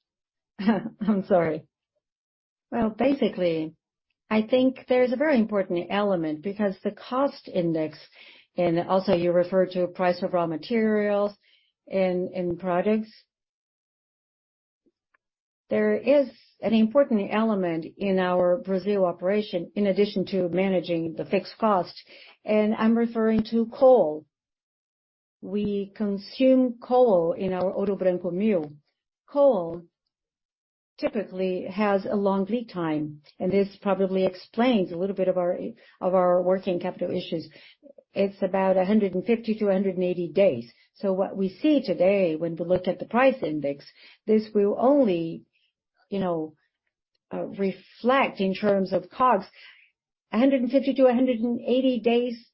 I'm sorry. Well, basically, I think there's a very important element, because the cost index, and also you referred to price of raw materials in products. There is an important element in our Brazil operation, in addition to managing the fixed cost, and I'm referring to coal. We consume coal in our Ouro Branco mill. Coal typically has a long lead time, and this probably explains a little bit of our working capital issues. It's about 150 to 180 days. What we see today, when we look at the price index, this will only, you know, reflect in terms of costs, 150 to 180 days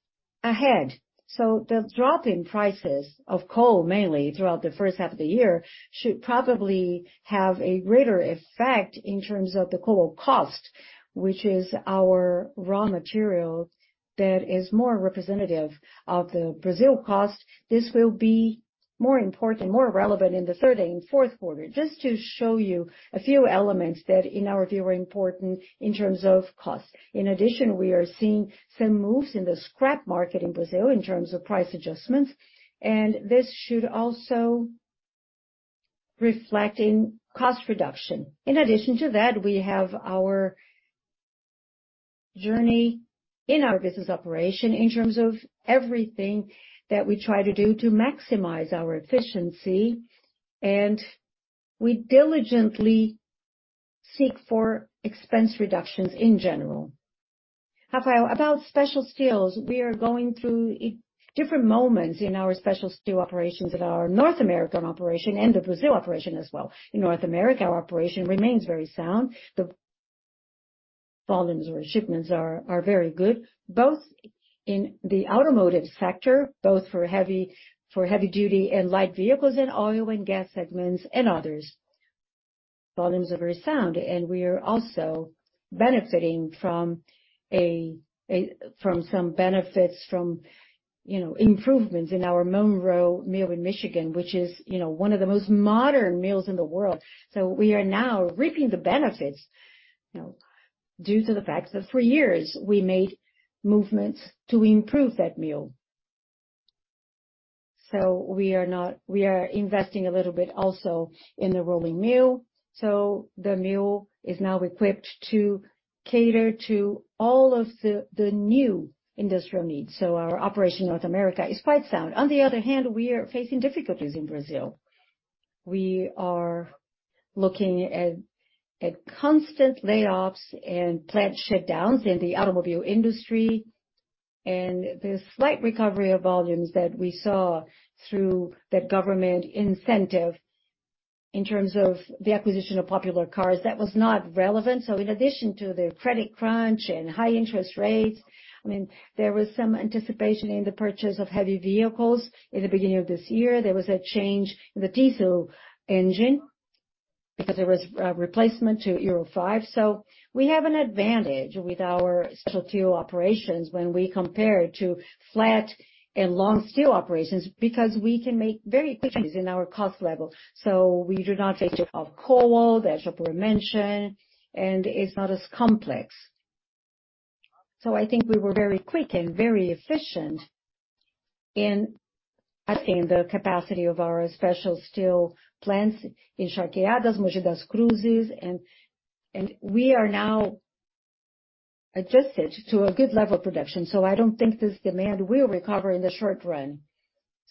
ahead. The drop in prices of coal, mainly throughout the first half of the year, should probably have a greater effect in terms of the coal cost, which is our raw material that is more representative of the Brazil cost. This will be more important, more relevant in the third and fourth quarter. Just to show you a few elements that, in our view, are important in terms of cost. In addition, we are seeing some moves in the scrap market in Brazil in terms of price adjustments, and this should also reflect in cost reduction. In addition to that, we have our-... journey in our business operation in terms of everything that we try to do to maximize our efficiency. We diligently seek for expense reductions in general. Rafael, about special steels, we are going through different moments in our special steel operations at our North American operation and the Brazil operation as well. In North America, our operation remains very sound. The volumes or shipments are very good, both in the automotive sector, both for heavy duty and light vehicles, and oil and gas segments and others. Volumes are very sound, and we are also benefiting from some benefits from, you know, improvements in our Monroe mill in Michigan, which is, you know, one of the most modern mills in the world. We are now reaping the benefits, you know, due to the fact that for years we made movements to improve that mill. We are not, we are investing a little bit also in the rolling mill, so the mill is now equipped to cater to all of the new industrial needs. Our operation in North America is quite sound. On the other hand, we are facing difficulties in Brazil. We are looking at constant layoffs and plant shutdowns in the automobile industry, and the slight recovery of volumes that we saw through the government incentive in terms of the acquisition of popular cars, that was not relevant. In addition to the credit crunch and high interest rates, I mean, there was some anticipation in the purchase of heavy vehicles. In the beginning of this year, there was a change in the diesel engine, because there was a replacement to Euro 5. We have an advantage with our special steel operations when we compare to flat and long steel operations, because we can make very quick changes in our cost level, so we do not take of coal, as Japur mentioned, and it's not as complex. I think we were very quick and very efficient in, I think, the capacity of our special steel plants in Charqueadas, Mogi das Cruzes, and we are now adjusted to a good level of production, so I don't think this demand will recover in the short run.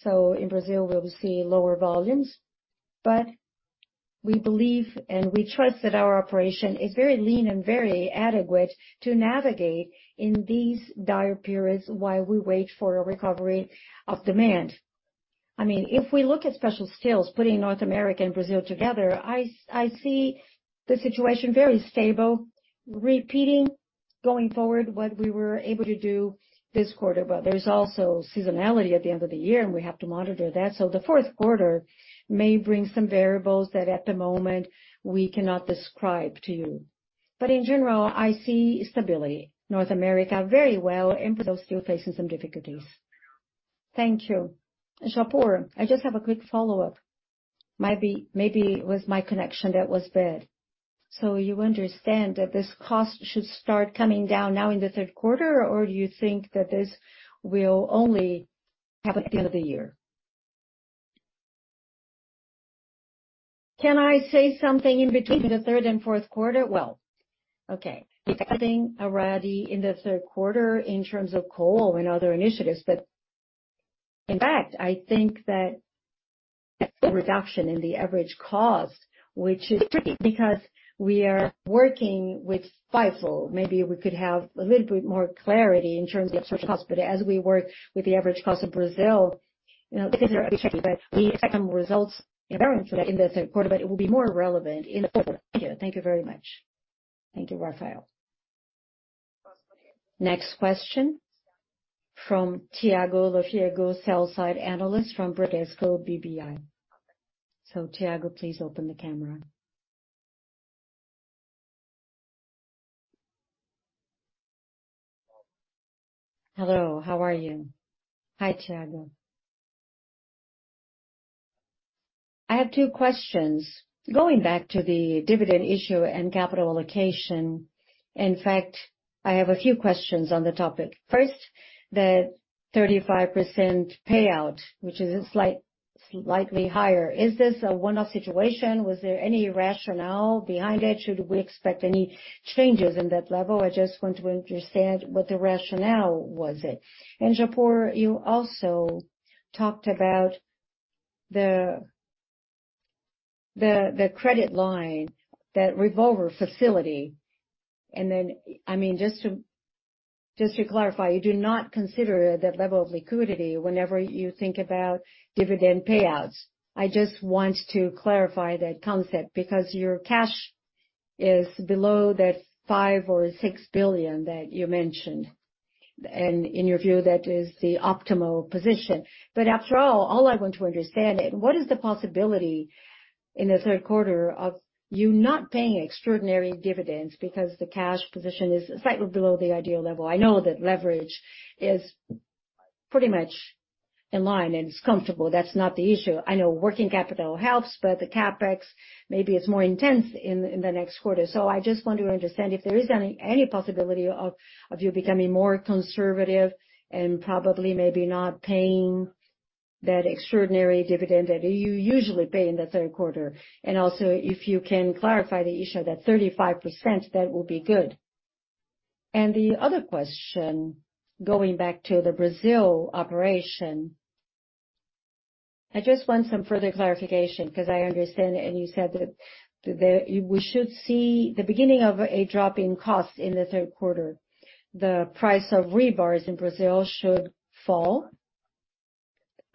In Brazil, we'll see lower volumes, but we believe and we trust that our operation is very lean and very adequate to navigate in these dire periods while we wait for a recovery of demand. I mean, if we look at special steels, putting North America and Brazil together, I see the situation very stable, repeating, going forward, what we were able to do this quarter. There's also seasonality at the end of the year, and we have to monitor that. The fourth quarter may bring some variables that, at the moment, we cannot describe to you. In general, I see stability. North America, very well, and Brazil still facing some difficulties. Thank you. Japur, I just have a quick follow-up. Maybe, maybe it was my connection that was bad. You understand that this cost should start coming down now in the third quarter, or do you think that this will only happen at the end of the year? Can I say something in between the third and fourth quarter? Well, okay. Having already in the third quarter in terms of coal and other initiatives, but in fact, I think that a reduction in the average cost, which is because we are working with FIFO. Maybe we could have a little bit more clarity in terms of such costs, but as we work with the average cost of Brazil, you know, this is a bit tricky, but we expect some results in variance in the third quarter, but it will be more relevant in the fourth quarter. Thank you. Thank you very much. Thank you, Rafael. Next question from Thiago Lofiego, sell-side analyst from Bradesco BBI. Thiago, please open the camera. Hello, how are you? Hi, Thiago. I have two questions. Going back to the dividend issue and capital allocation, in fact, I have a few questions on the topic. First, the 35% payout, which is slight, slightly higher, is this a one-off situation? Was there any rationale behind it? Should we expect any changes in that level? I just want to understand what the rationale was it. Japur, you also talked about the, the, the credit line, that revolver facility. I mean, just to, just to clarify, you do not consider that level of liquidity whenever you think about dividend payouts. I just want to clarify that concept because your cash is below that $5 billion or $6 billion that you mentioned, and in your view, that is the optimal position. After all, all I want to understand is, what is the possibility in the third quarter of you not paying extraordinary dividends because the cash position is slightly below the ideal level? I know that leverage is pretty much in line and it's comfortable. That's not the issue. I know working capital helps, but the CapEx, maybe it's more intense in, in the next quarter. I just want to understand if there is any, any possibility of, of you becoming more conservative and probably maybe not paying that extraordinary dividend that you usually pay in the third quarter. Also, if you can clarify the issue, that 35%, that will be good. The other question, going back to the Brazil operation, I just want some further clarification, because I understand, and you said that we should see the beginning of a drop in cost in the third quarter. The price of rebars in Brazil should fall.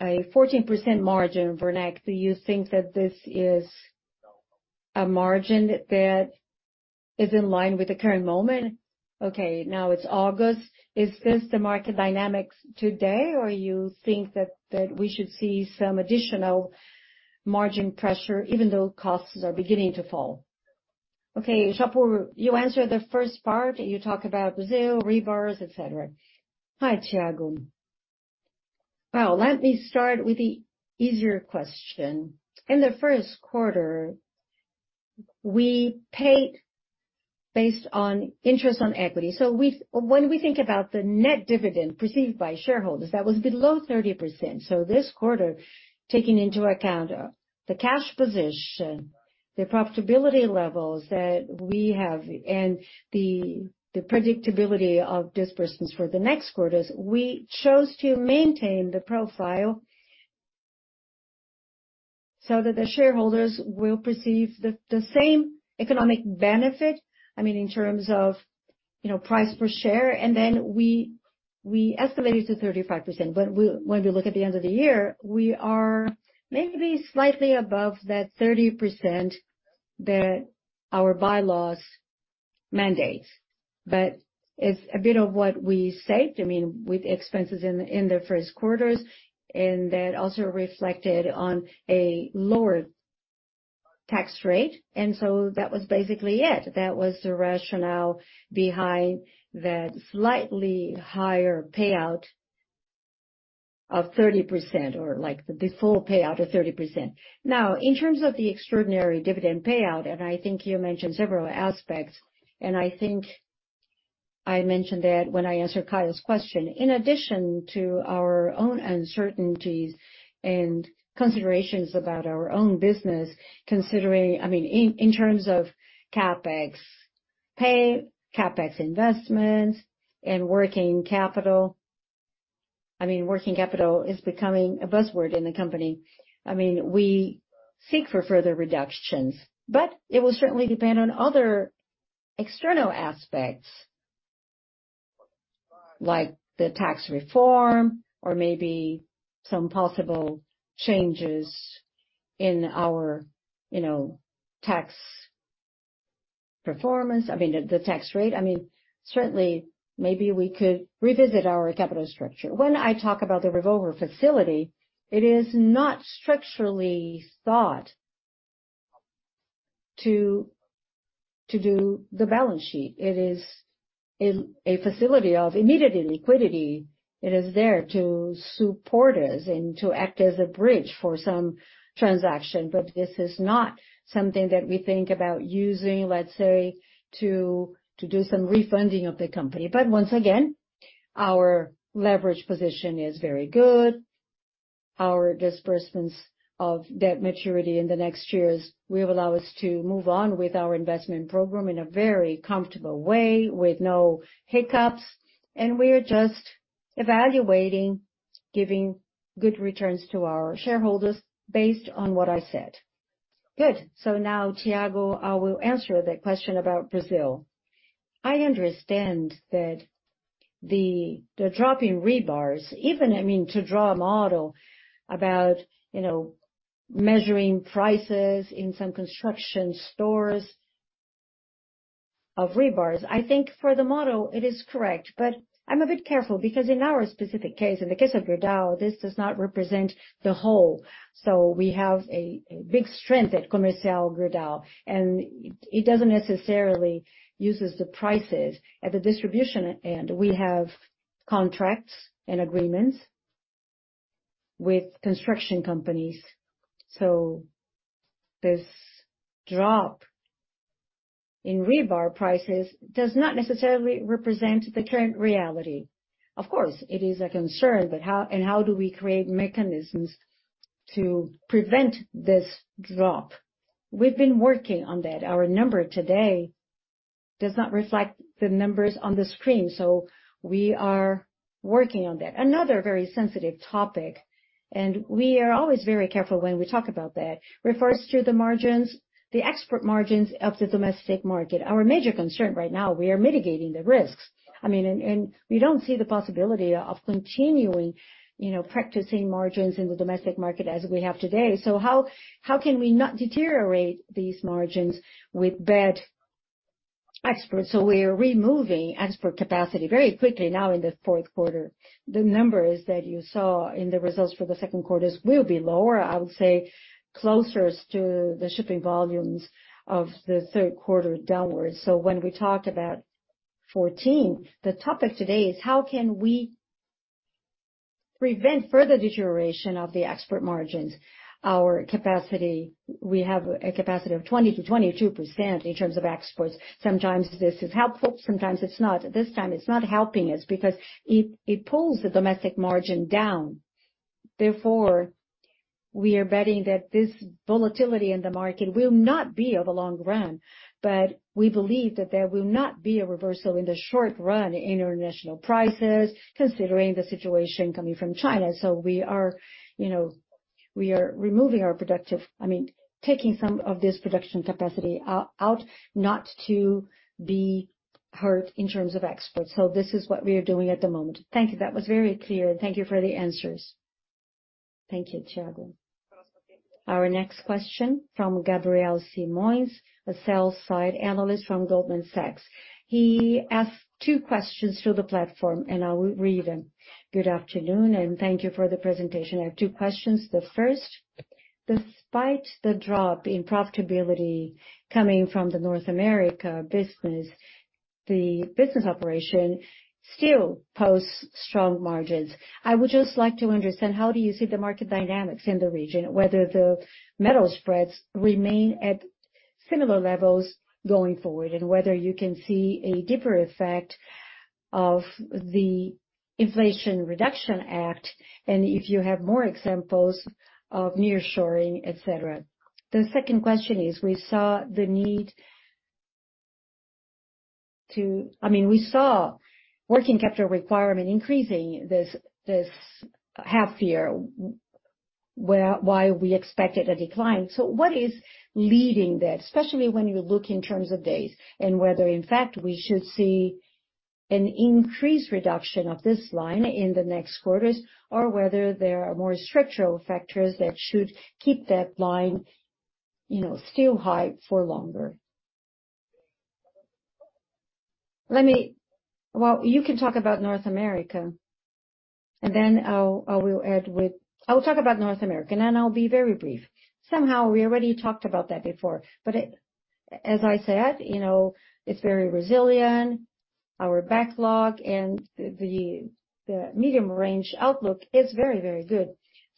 A 14% margin for next. Do you think that this is a margin that is in line with the current moment? Okay, now it's August. Is this the market dynamics today, or you think that, that we should see some additional margin pressure even though costs are beginning to fall? Okay, Jabor, you answer the first part. You talk about Brazil, rebars, et cetera. Hi, Thiago. Well, let me start with the easier question. In the first quarter, we paid based on interest on equity. When we think about the net dividend received by shareholders, that was below 30%. This quarter, taking into account the cash position, the profitability levels that we have, and the predictability of disbursements for the next quarters, we chose to maintain the profile so that the shareholders will receive the same economic benefit, I mean, in terms of, you know, price per share, and then we estimate it to 35%. When we look at the end of the year, we are maybe slightly above that 30% that our bylaws mandate. It's a bit of what we saved, I mean, with expenses in the first quarters, and that also reflected on a lower tax rate. That was basically it. That was the rationale behind that slightly higher payout of 30%, or, like, the full payout of 30%. Now, in terms of the extraordinary dividend payout, and I think you mentioned several aspects, and I think I mentioned that when I answered Caio's question. In addition to our own uncertainties and considerations about our own business, considering, I mean, in terms of CapEx pay, CapEx investments and working capital. I mean, working capital is becoming a buzzword in the company. I mean, we seek for further reductions, but it will certainly depend on other external aspects, like the tax reform or maybe some possible changes in our, you know, tax performance. I mean, the tax rate. I mean, certainly, maybe we could revisit our capital structure. When I talk about the revolver facility, it is not structurally thought to do the balance sheet. It is a facility of immediate liquidity. It is there to support us and to act as a bridge for some transaction. This is not something that we think about using, let's say, to, to do some refunding of the company. Once again, our leverage position is very good. Our disbursements of debt maturity in the next years will allow us to move on with our investment program in a very comfortable way, with no hiccups, and we are just evaluating, giving good returns to our shareholders based on what I said. Good. Now, Tiago, I will answer the question about Brazil. I understand that the, the drop in rebars, even, I mean, to draw a model about, you know, measuring prices in some construction stores of rebars, I think for the model it is correct. I'm a bit careful because in our specific case, in the case of Gerdau, this does not represent the whole. We have a big strength at Comercial Gerdau, and it doesn't necessarily uses the prices. At the distribution end, we have contracts and agreements with construction companies, so this drop in rebar prices does not necessarily represent the current reality. Of course, it is a concern, but how do we create mechanisms to prevent this drop? We've been working on that. Our number today does not reflect the numbers on the screen, so we are working on that. Another very sensitive topic, and we are always very careful when we talk about that, refers to the margins, the export margins of the domestic market. Our major concern right now, we are mitigating the risks. I mean, and we don't see the possibility of continuing, you know, practicing margins in the domestic market as we have today. How can we not deteriorate these margins with bad exports? We are removing export capacity very quickly now in the fourth quarter. The numbers that you saw in the results for the second quarters will be lower, I would say, closer to the shipping volumes of the third quarter downwards. When we talk about 14, the topic today is: How can we prevent further deterioration of the export margins? Our capacity, we have a capacity of 20%-22% in terms of exports. Sometimes this is helpful, sometimes it's not. This time, it's not helping us because it pulls the domestic margin down. Therefore, we are betting that this volatility in the market will not be of a long run, but we believe that there will not be a reversal in the short run in international prices, considering the situation coming from China. We are, you know, we are removing our productive -- I mean, taking some of this production capacity out, out, not to be hurt in terms of exports. This is what we are doing at the moment. Thank you. That was very clear, Thank you for the answers. Thank you, Thiago. Our next question from Gabriel Simoes, a sell-side analyst from Goldman Sachs. He asked two questions through the platform, and I will read them. Good afternoon, and thank you for the presentation. I have two questions. The first, despite the drop in profitability coming from the North America business, the business operation still posts strong margins. I would just like to understand, how do you see the market dynamics in the region, whether the metal spreads remain at similar levels going forward, and whether you can see a deeper effect of the Inflation Reduction Act, and if you have more examples of nearshoring, et cetera. The second question is, we saw the need to, I mean, we saw working capital requirement increasing this half year, why we expected a decline. What is leading that, especially when you look in terms of days, and whether, in fact, we should see an increased reduction of this line in the next quarters, or whether there are more structural factors that should keep that line, you know, still high for longer? Well, you can talk about North America, and then I will add with... I will talk about North America, and I'll be very brief. Somehow, we already talked about that before, but as I said, you know, it's very resilient. Our backlog and the medium-range outlook is very, very good.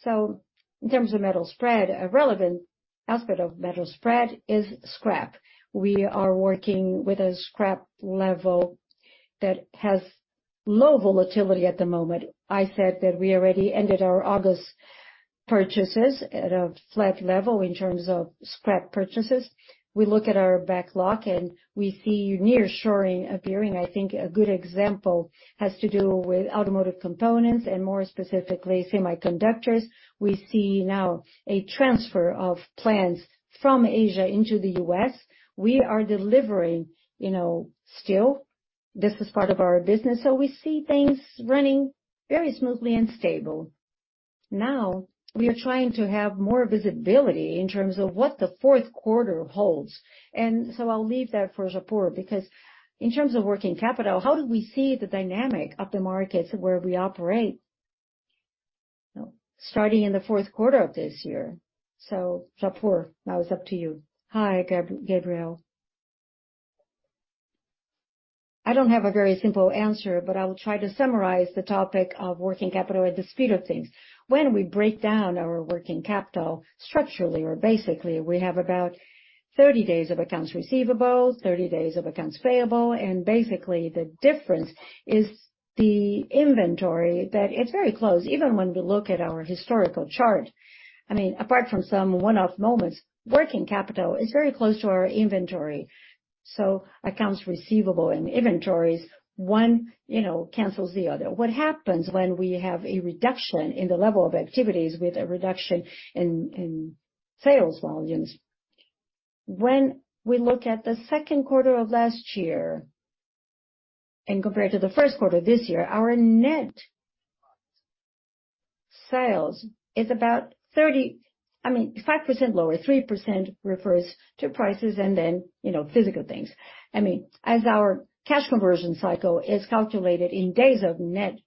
In terms of metal spread, a relevant aspect of metal spread is scrap. We are working with a scrap level that has low volatility at the moment. I said that we already ended our August purchases at a flat level in terms of scrap purchases. We look at our backlog, and we see nearshoring appearing. I think a good example has to do with automotive components and more specifically, semiconductors. We see now a transfer of plants from Asia into the U.S. We are delivering, you know, still, this is part of our business, so we see things running very smoothly and stable. Now, we are trying to have more visibility in terms of what the fourth quarter holds. I'll leave that for Japur, because in terms of working capital, how do we see the dynamic of the markets where we operate, you know, starting in the fourth quarter of this year? Japur, now it's up to you. Hi, Gabriel. I don't have a very simple answer, but I will try to summarize the topic of working capital at the speed of things. When we break down our working capital structurally or basically, we have about 30 days of accounts receivable, 30 days of accounts payable, and basically the difference is the inventory, that it's very close, even when we look at our historical chart. I mean, apart from some one-off moments, working capital is very close to our inventory. Accounts receivable and inventories, one, you know, cancels the other. What happens when we have a reduction in the level of activities with a reduction in, in sales volumes? When we look at the second quarter of last year and compare to the first quarter this year, our net sales is about, I mean, 5% lower. 3% refers to prices and then, you know, physical things. I mean, as our cash conversion cycle is calculated in days of net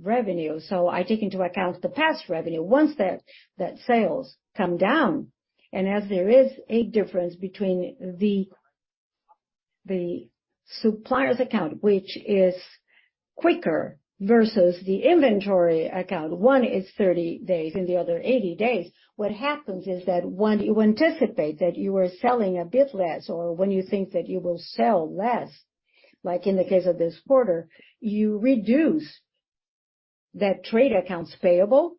revenue, so I take into account the past revenue. Once that, that sales come down, and as there is a difference between the suppliers account, which is quicker versus the inventory account, one is 30 days and the other 80 days. What happens is that when you anticipate that you are selling a bit less or when you think that you will sell less, like in the case of this quarter, you reduce the trade accounts payable,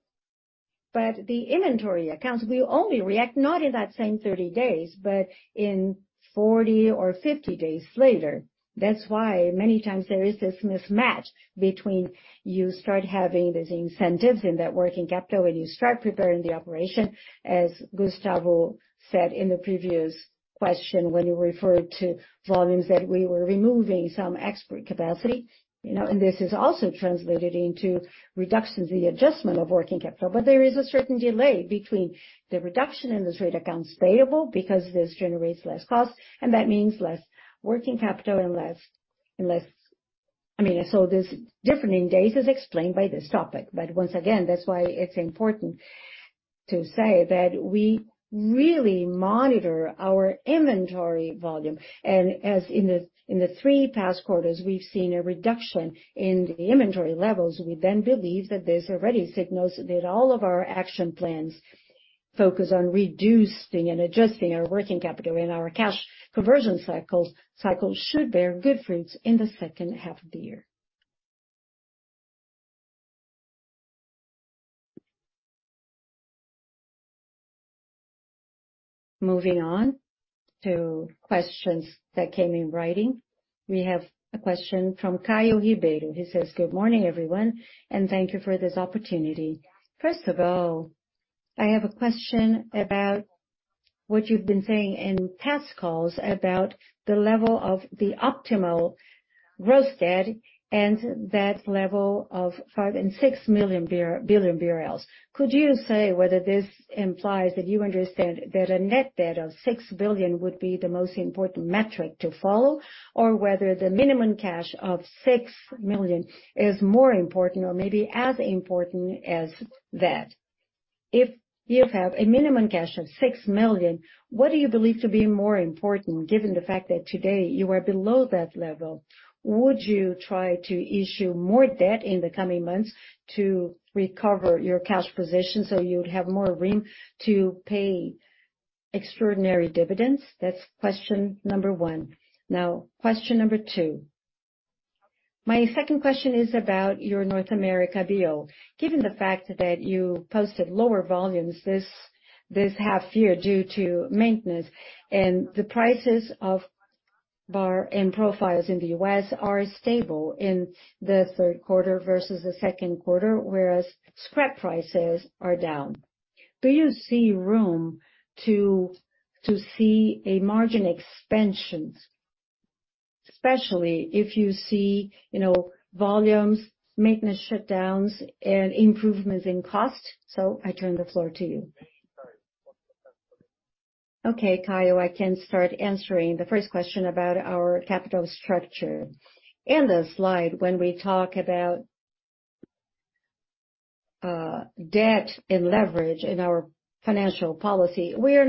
but the inventory accounts will only react, not in that same 30 days, but in 40 or 50 days later. That's why many times there is this mismatch between you start having these incentives in that working capital, when you start preparing the operation, as Gustavo said in the previous question, when you referred to volumes, that we were removing some export capacity, you know, and this is also translated into reductions in the adjustment of working capital. There is a certain delay between the reduction in the trade accounts payable, because this generates less cost, and that means less working capital and less, and less... I mean, this difference in days is explained by this topic. Once again, that's why it's important to say that we really monitor our inventory volume. As in the three past quarters, we've seen a reduction in the inventory levels, we then believe that this already signals that all of our action plans-... focus on reducing and adjusting our working capital and our cash conversion cycles, cycle should bear good fruits in the second half of the year. Moving on to questions that came in writing. We have a question from Caio Ribeiro. He says: Good morning, everyone, and thank you for this opportunity. First of all, I have a question about what you've been saying in past calls about the level of the optimal gross debt and that level of 5 billion-6 billion BRL. Could you say whether this implies that you understand that a net debt of $6 billion would be the most important metric to follow, or whether the minimum cash of $6 million is more important or maybe as important as that? If you have a minimum cash of $6 million, what do you believe to be more important, given the fact that today you are below that level? Would you try to issue more debt in the coming months to recover your cash position so you would have more room to pay extraordinary dividends? That's question number one. Now, question number two. My second question is about your North America deal. Given the fact that you posted lower volumes this half-year due to maintenance, and the prices of bar and profiles in the U.S. are stable in the third quarter versus the second quarter, whereas scrap prices are down. Do you see room to see a margin expansion, especially if you see, you know, volumes, maintenance shutdowns, and improvements in cost? I turn the floor to you. Okay, Caio, I can start answering the first question about our capital structure. In the slide, when we talk about debt and leverage in our financial policy, we were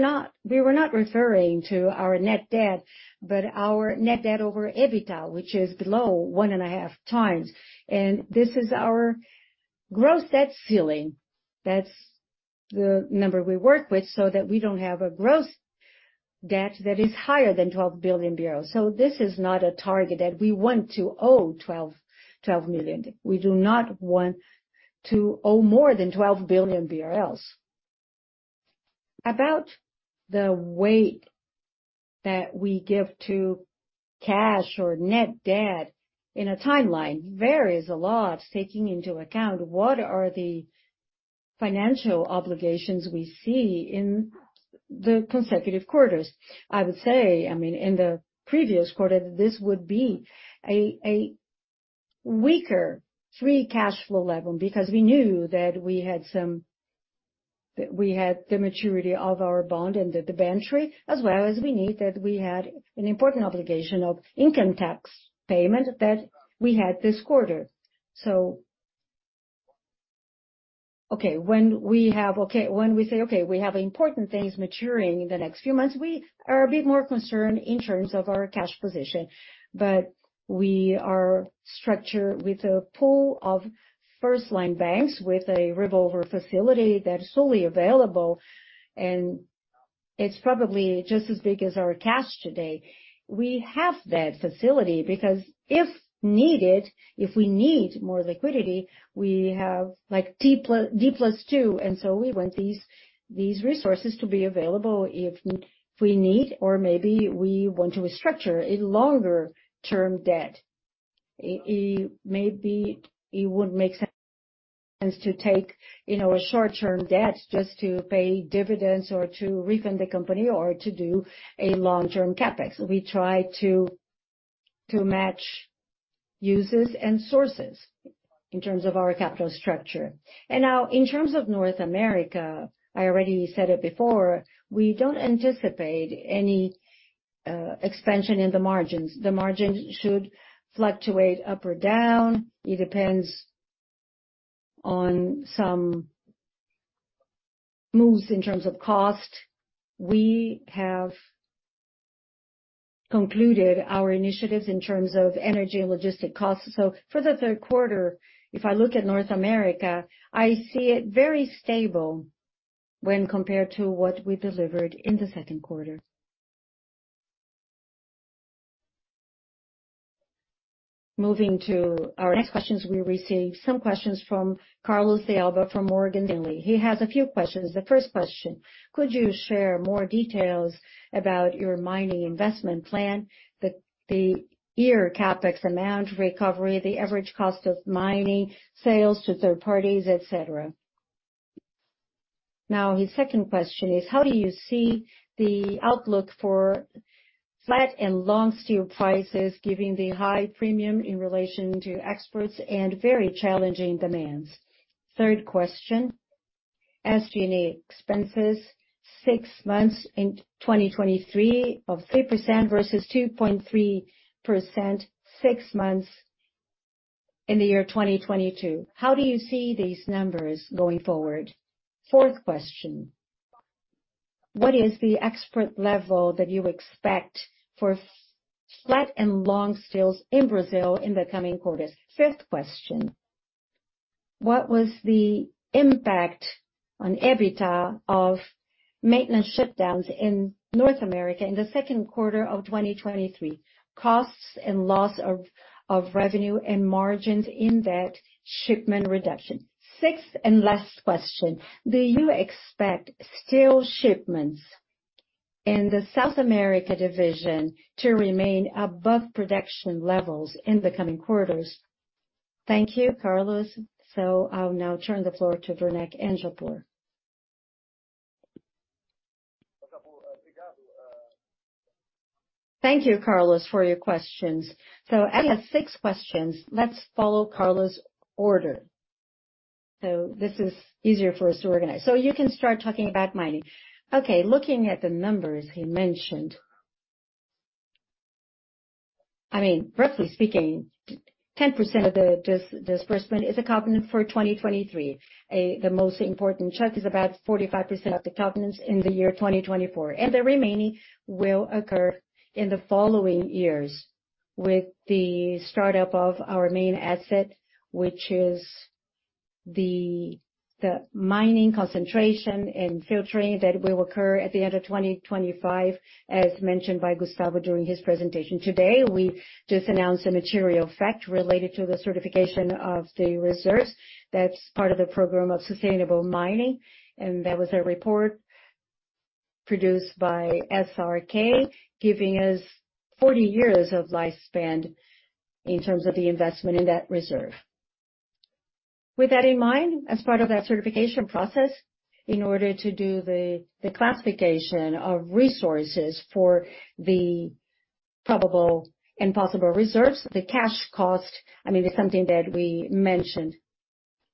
not referring to our net debt, but our net debt over EBITDA, which is below 1.5 times, and this is our gross debt ceiling. That's the number we work with so that we don't have a gross debt that is higher than 12 billion BRL. This is not a target that we want to owe 12 billion. We do not want to owe more than 12 billion BRL. About the weight that we give to cash or net debt in a timeline varies a lot, taking into account what are the financial obligations we see in the consecutive quarters. I would say, I mean, in the previous quarter, this would be a, a weaker free cash flow level because we knew that we had the maturity of our bond and the debenture, as well as that we had an important obligation of income tax payment that we had this quarter. When we have, when we say, we have important things maturing in the next few months, we are a bit more concerned in terms of our cash position. We are structured with a pool of first-line banks, with a revolver facility that is fully available, and it's probably just as big as our cash today. We have that facility because if needed, if we need more liquidity, we have like D plus, D plus two, and so we want these, these resources to be available if we need or maybe we want to restructure a longer-term debt. It maybe it would make sense to take, you know, a short-term debt just to pay dividends or to refund the company or to do a long-term CapEx. We try to match uses and sources in terms of our capital structure. Now, in terms of North America, I already said it before, we don't anticipate any expansion in the margins. The margins should fluctuate up or down. It depends on some moves in terms of cost. We have concluded our initiatives in terms of energy and logistic costs. For the third quarter, if I look at North America, I see it very stable when compared to what we delivered in the second quarter. Moving to our next questions, we received some questions from Carlos de Alba, from Morgan Stanley. He has a few questions. The first question: Could you share more details about your mining investment plan, the year CapEx amount recovery, the average cost of mining, sales to third parties, et cetera? Now, his second question is: How do you see the outlook for flat and long steel prices, giving the high premium in relation to exports and very challenging demands? Third question, SG&A expenses, 6 months in 2023 of 3% versus 2.3%, 6 months in 2022. How do you see these numbers going forward? Fourth question, what is the export level that you expect for flat and long steels in Brazil in the coming quarters? Fifth question: What was the impact on EBITDA of maintenance shutdowns in North America in the second quarter of 2023, costs and loss of revenue and margins in that shipment reduction? Sixth and last question: Do you expect steel shipments in the South America division to remain above production levels in the coming quarters? Thank you, Carlos. I'll now turn the floor to Werneck andJapur. Thank you, Carlos, for your questions. I have six questions. Let's follow Carlos' order. This is easier for us to organize. You can start talking about mining. Looking at the numbers he mentioned, I mean, roughly speaking, 10% of the disbursement is a covenant for 2023. The most important chunk is about 45% of the covenants in the year 2024, and the remaining will occur in the following years with the startup of our main asset, which is the mining concentration and filtering that will occur at the end of 2025, as mentioned by Gustavo during his presentation. Today, we just announced a material fact related to the certification of the reserves. That's part of the program of sustainable mining, and that was a report produced by SRK, giving us 40 years of lifespan in terms of the investment in that reserve. With that in mind, as part of that certification process, in order to do the, the classification of resources for the probable and possible reserves, the cash cost, I mean, it's something that we mentioned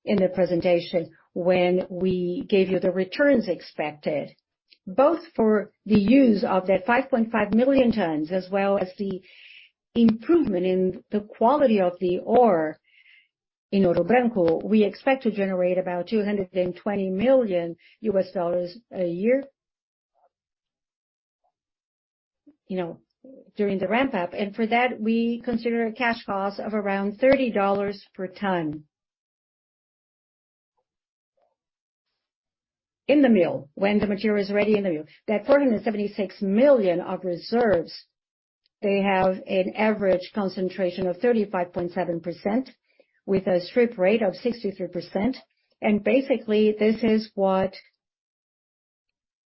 in the presentation when we gave you the returns expected, both for the use of that 5.5 million tons, as well as the improvement in the quality of the ore in Ouro Branco. We expect to generate about $220 million a year, you know, during the ramp up, and for that, we consider a cash cost of around $30 per ton. In the mill, when the material is ready in the mill. That 476 million of reserves, they have an average concentration of 35.7%, with a strip rate of 63%. Basically, this is what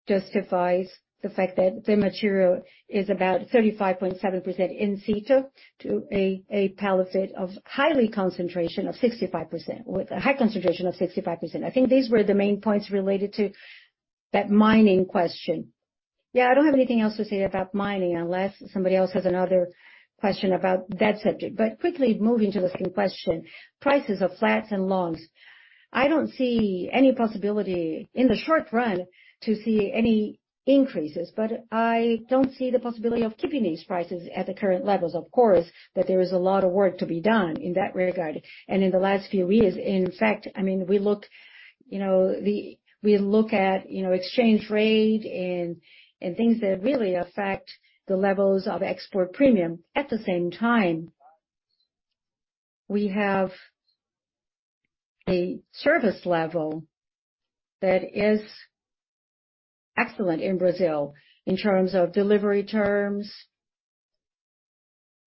justifies the fact that the material is about 35.7% in situ with a high concentration of 65%. I think these were the main points related to that mining question. Yeah, I don't have anything else to say about mining, unless somebody else has another question about that subject. Quickly moving to the second question, prices of flats and longs. I don't see any possibility in the short run to see any increases, but I don't see the possibility of keeping these prices at the current levels. Of course, that there is a lot of work to be done in that regard. In the last few years, in fact, I mean, we look, you know, we look at, you know, exchange rate and, and things that really affect the levels of export premium. At the same time, we have a service level that is excellent in Brazil in terms of delivery terms,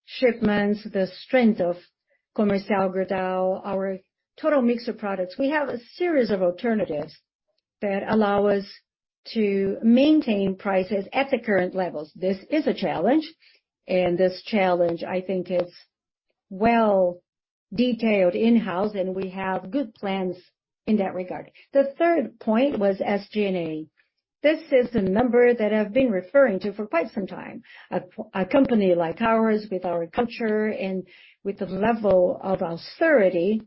shipments, the strength of Comercial Gerdau, our total mix of products. We have a series of alternatives that allow us to maintain prices at the current levels. This is a challenge, and this challenge, I think, is well detailed in-house, and we have good plans in that regard. The third point was SG&A. This is the number that I've been referring to for quite some time. A company like ours, with our culture and with the level of austerity,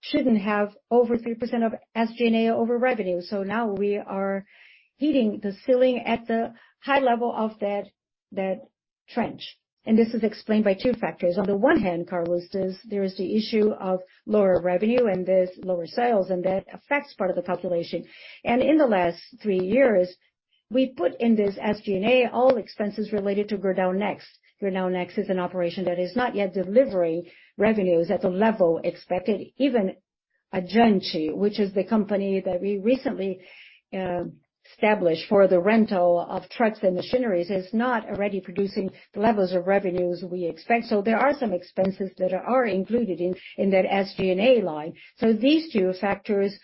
shouldn't have over 3% of SG&A over revenue. Now we are hitting the ceiling at the high level of that, that trench. This is explained by two factors. On the one hand, Carlos, there is the issue of lower revenue and there's lower sales, and that affects part of the population. In the last three years, we put in this SG&A, all expenses related to Gerdau Next. Gerdau Next is an operation that is not yet delivering revenues at the level expected. Even Addiante, which is the company that we recently established for the rental of trucks and machineries, is not already producing the levels of revenues we expect. There are some expenses that are included in that SG&A line. These two factors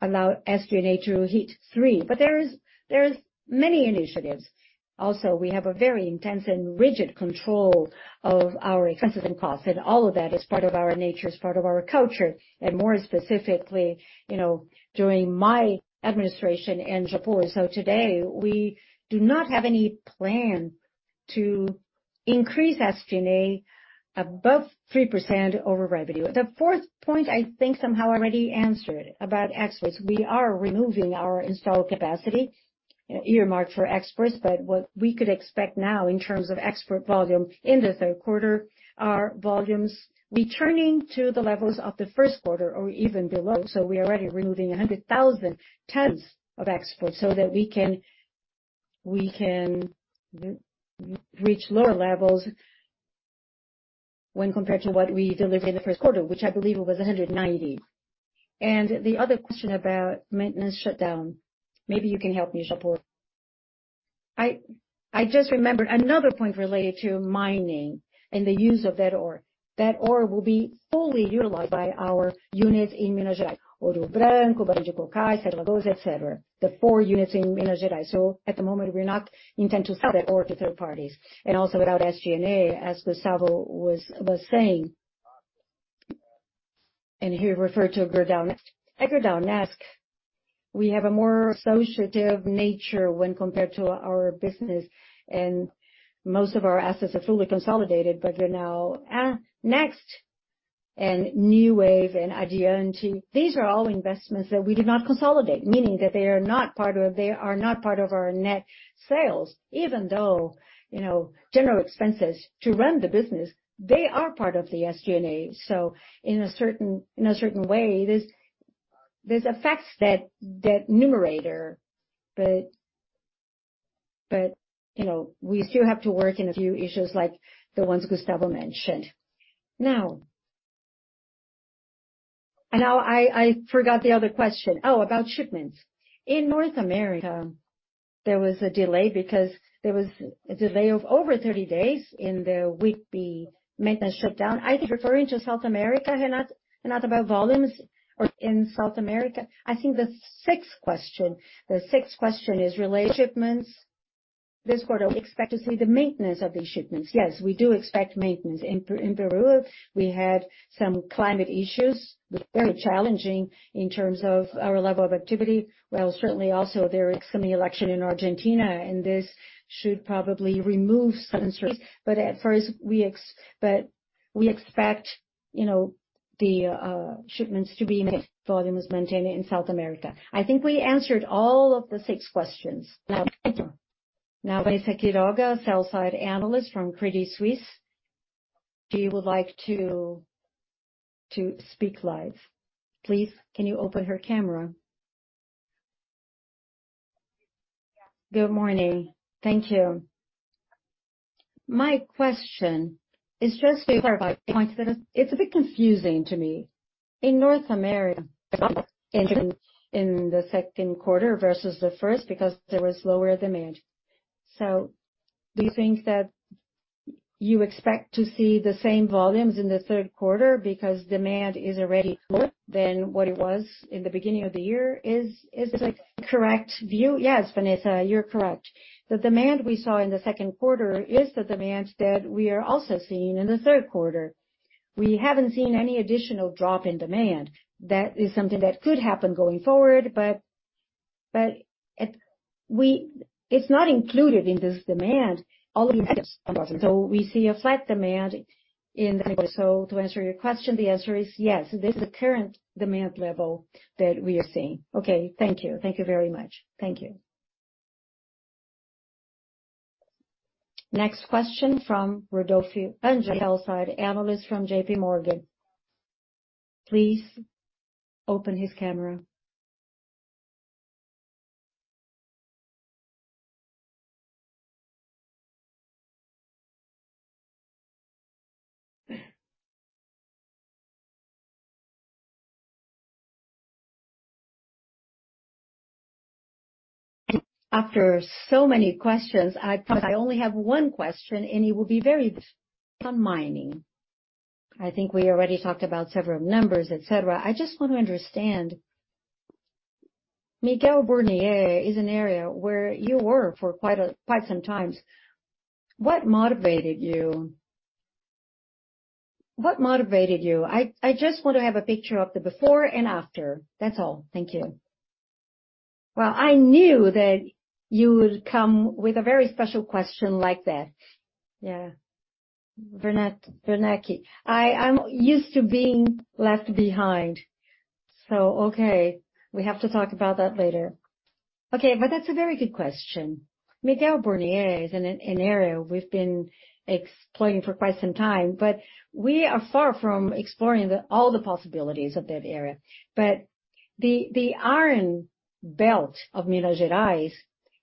allow SG&A to hit 3. There is many initiatives. We have a very intense and rigid control of our expenses and costs, and all of that is part of our nature, it's part of our culture, and more specifically, you know, during my administration and Japur. Today, we do not have any plan to increase SG&A above 3% over revenue. The fourth point, I think, somehow I already answered about exports. We are removing our installed capacity, earmarked for exports, but what we could expect now in terms of export volume in the third quarter are volumes returning to the levels of the first quarter or even below. We are already removing 100,000 tons of exports so that we can reach lower levels when compared to what we delivered in the first quarter, which I believe it was 190. The other question about maintenance shutdown, maybe you can help me, Japur. I just remembered another point related to mining and the use of that ore. That ore will be fully utilized by our units in Minas Gerais, Ouro Branco, Barra do Bocai, Sete Lagoas, et cetera. The 4 units in Minas Gerais. At the moment, we're not intend to sell that ore to third parties, and also without SG&A, as Gustavo was, was saying, and he referred to Gerdau Next. At Gerdau Next, we have a more associative nature when compared to our business, and most of our assets are fully consolidated. They're now, Next, and Newave and Addiante, these are all investments that we do not consolidate. Meaning that they are not part of our net sales, even though, you know, general expenses to run the business, they are part of the SG&A. In a certain way, this affects that numerator. You know, we still have to work in a few issues like the ones Gustavo mentioned. Now, I forgot the other question. Oh, about shipments. In North America, there was a delay because there was a delay of over 30 days in the Whitby maintenance shutdown. I think referring to South America, and not about volumes or in South America. I think the sixth question is related to shipments. This quarter, we expect to see the maintenance of these shipments. Yes, we do expect maintenance. In Peru, we had some climate issues, was very challenging in terms of our level of activity. Well, certainly also there is coming election in Argentina, this should probably remove some concerns. At first, we expect, you know, the shipments to be maintained, volumes maintained in South America. I think we answered all of the six questions. Vanessa Quiroga, sell-side analyst from Credit Suisse, she would like to speak live. Please, can you open her camera? Good morning. Thank you. My question is just to clarify a point. It's a bit confusing to me. In North America, in the second quarter versus the first, because there was lower demand. Do you think that you expect to see the same volumes in the third quarter because demand is already lower than what it was in the beginning of the year? Is, is that correct view? Yes, Vanessa, you're correct. The demand we saw in the second quarter is the demand that we are also seeing in the third quarter. We haven't seen any additional drop in demand. That is something that could happen going forward. It's not included in this demand, all the items. We see a flat demand in the. To answer your question, the answer is yes. This is the current demand level that we are seeing. Okay, thank you. Thank you very much. Thank you. Next question from Rodolfo de Angele, sell-side analyst from JPMorgan. Please open his camera. After so many questions, I promise I only have one question, and it will be very on mining. I think we already talked about several numbers, et cetera. I just want to understand, Miguel Burnier is an area where you were for quite some times. What motivated you? What motivated you? I just want to have a picture of the before and after. That's all. Thank you. Well, I knew that you would come with a very special question like that. Yeah. Burnier, Burnacki, I'm used to being left behind. Okay, we have to talk about that later. Okay, that's a very good question. Miguel Burnier is an area we've been exploring for quite some time, but we are far from exploring all the possibilities of that area. The iron belt of Minas Gerais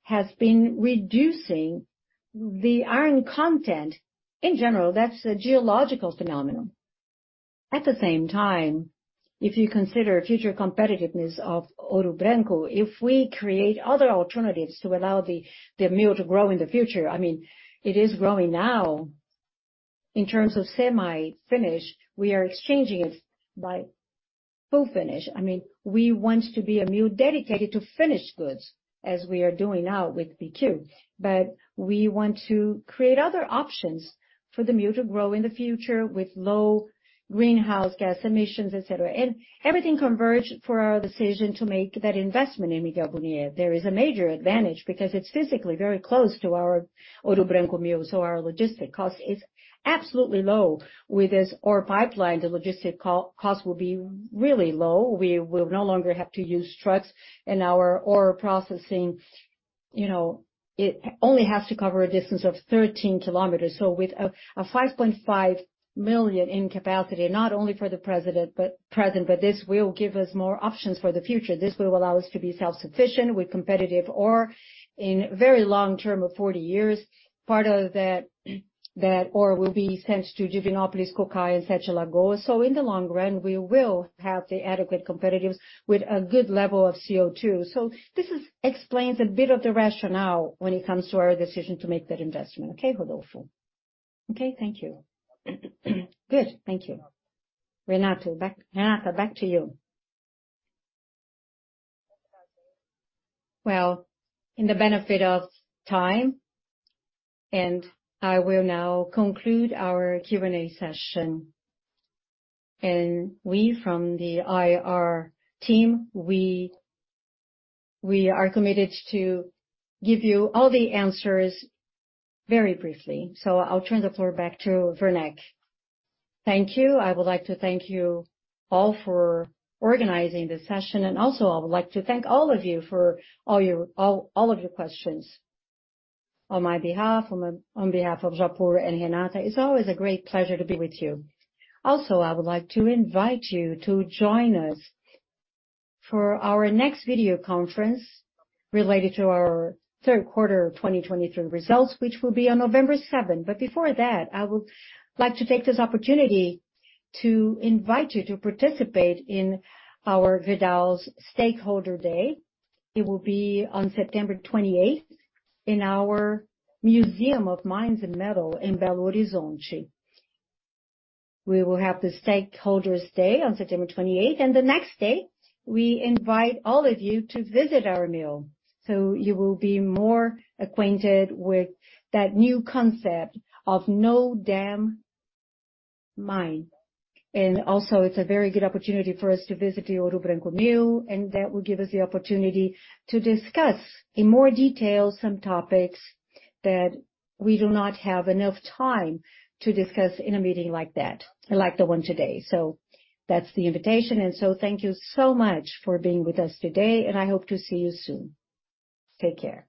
has been reducing the iron content. In general, that's a geological phenomenon. At the same time, if you consider future competitiveness of Ouro Branco, if we create other alternatives to allow the, the mill to grow in the future, I mean, it is growing now. In terms of semi-finish, we are exchanging it by full finish. I mean, we want to be a mill dedicated to finished goods, as we are doing now with BQ. We want to create other options for the mill to grow in the future with low greenhouse gas emissions, et cetera. Everything converged for our decision to make that investment in Miguel Burnier. There is a major advantage because it's physically very close to our Ouro Branco mill, so our logistic cost is absolutely low. With this ore pipeline, the logistic cost will be really low. We will no longer have to use trucks in our ore processing-... you know, it only has to cover a distance of 13 km. With a 5.5 million in capacity, not only for the, present, but this will give us more options for the future. This will allow us to be self-sufficient with competitive ore in very long term of 40 years. Part of that, that ore will be sent to Divinópolis, [Cocais], and Sete Lagoas. In the long run, we will have the adequate competitives with a good level of CO2. This explains a bit of the rationale when it comes to our decision to make that investment. Okay, Rodolfo? Okay, thank you. Good. Thank you. Renata, back to you. Well, in the benefit of time, and I will now conclude our Q&A session. We from the IR team, we are committed to give you all the answers very briefly. I'll turn the floor back to Werneck. Thank you. I would like to thank you all for organizing this session. Also, I would like to thank all of you for all of your questions. On my behalf, on behalf of Japur and Renata, it's always a great pleasure to be with you. Also, I would like to invite you to join us for our next video conference related to our third quarter of 2023 results, which will be on November 7. Before that, I would like to take this opportunity to invite you to participate in our Gerdau's Stakeholder Day. It will be on September 28, in our Museum of Mines and Metal in Belo Horizonte. We will have the Stakeholders Day on September 28th, the next day, we invite all of you to visit our mill, so you will be more acquainted with that new concept of no-dam mine. Also, it's a very good opportunity for us to visit the Ouro Branco mill, and that will give us the opportunity to discuss in more detail some topics that we do not have enough time to discuss in a meeting like that, like the one today. That's the invitation. Thank you so much for being with us today, and I hope to see you soon. Take care.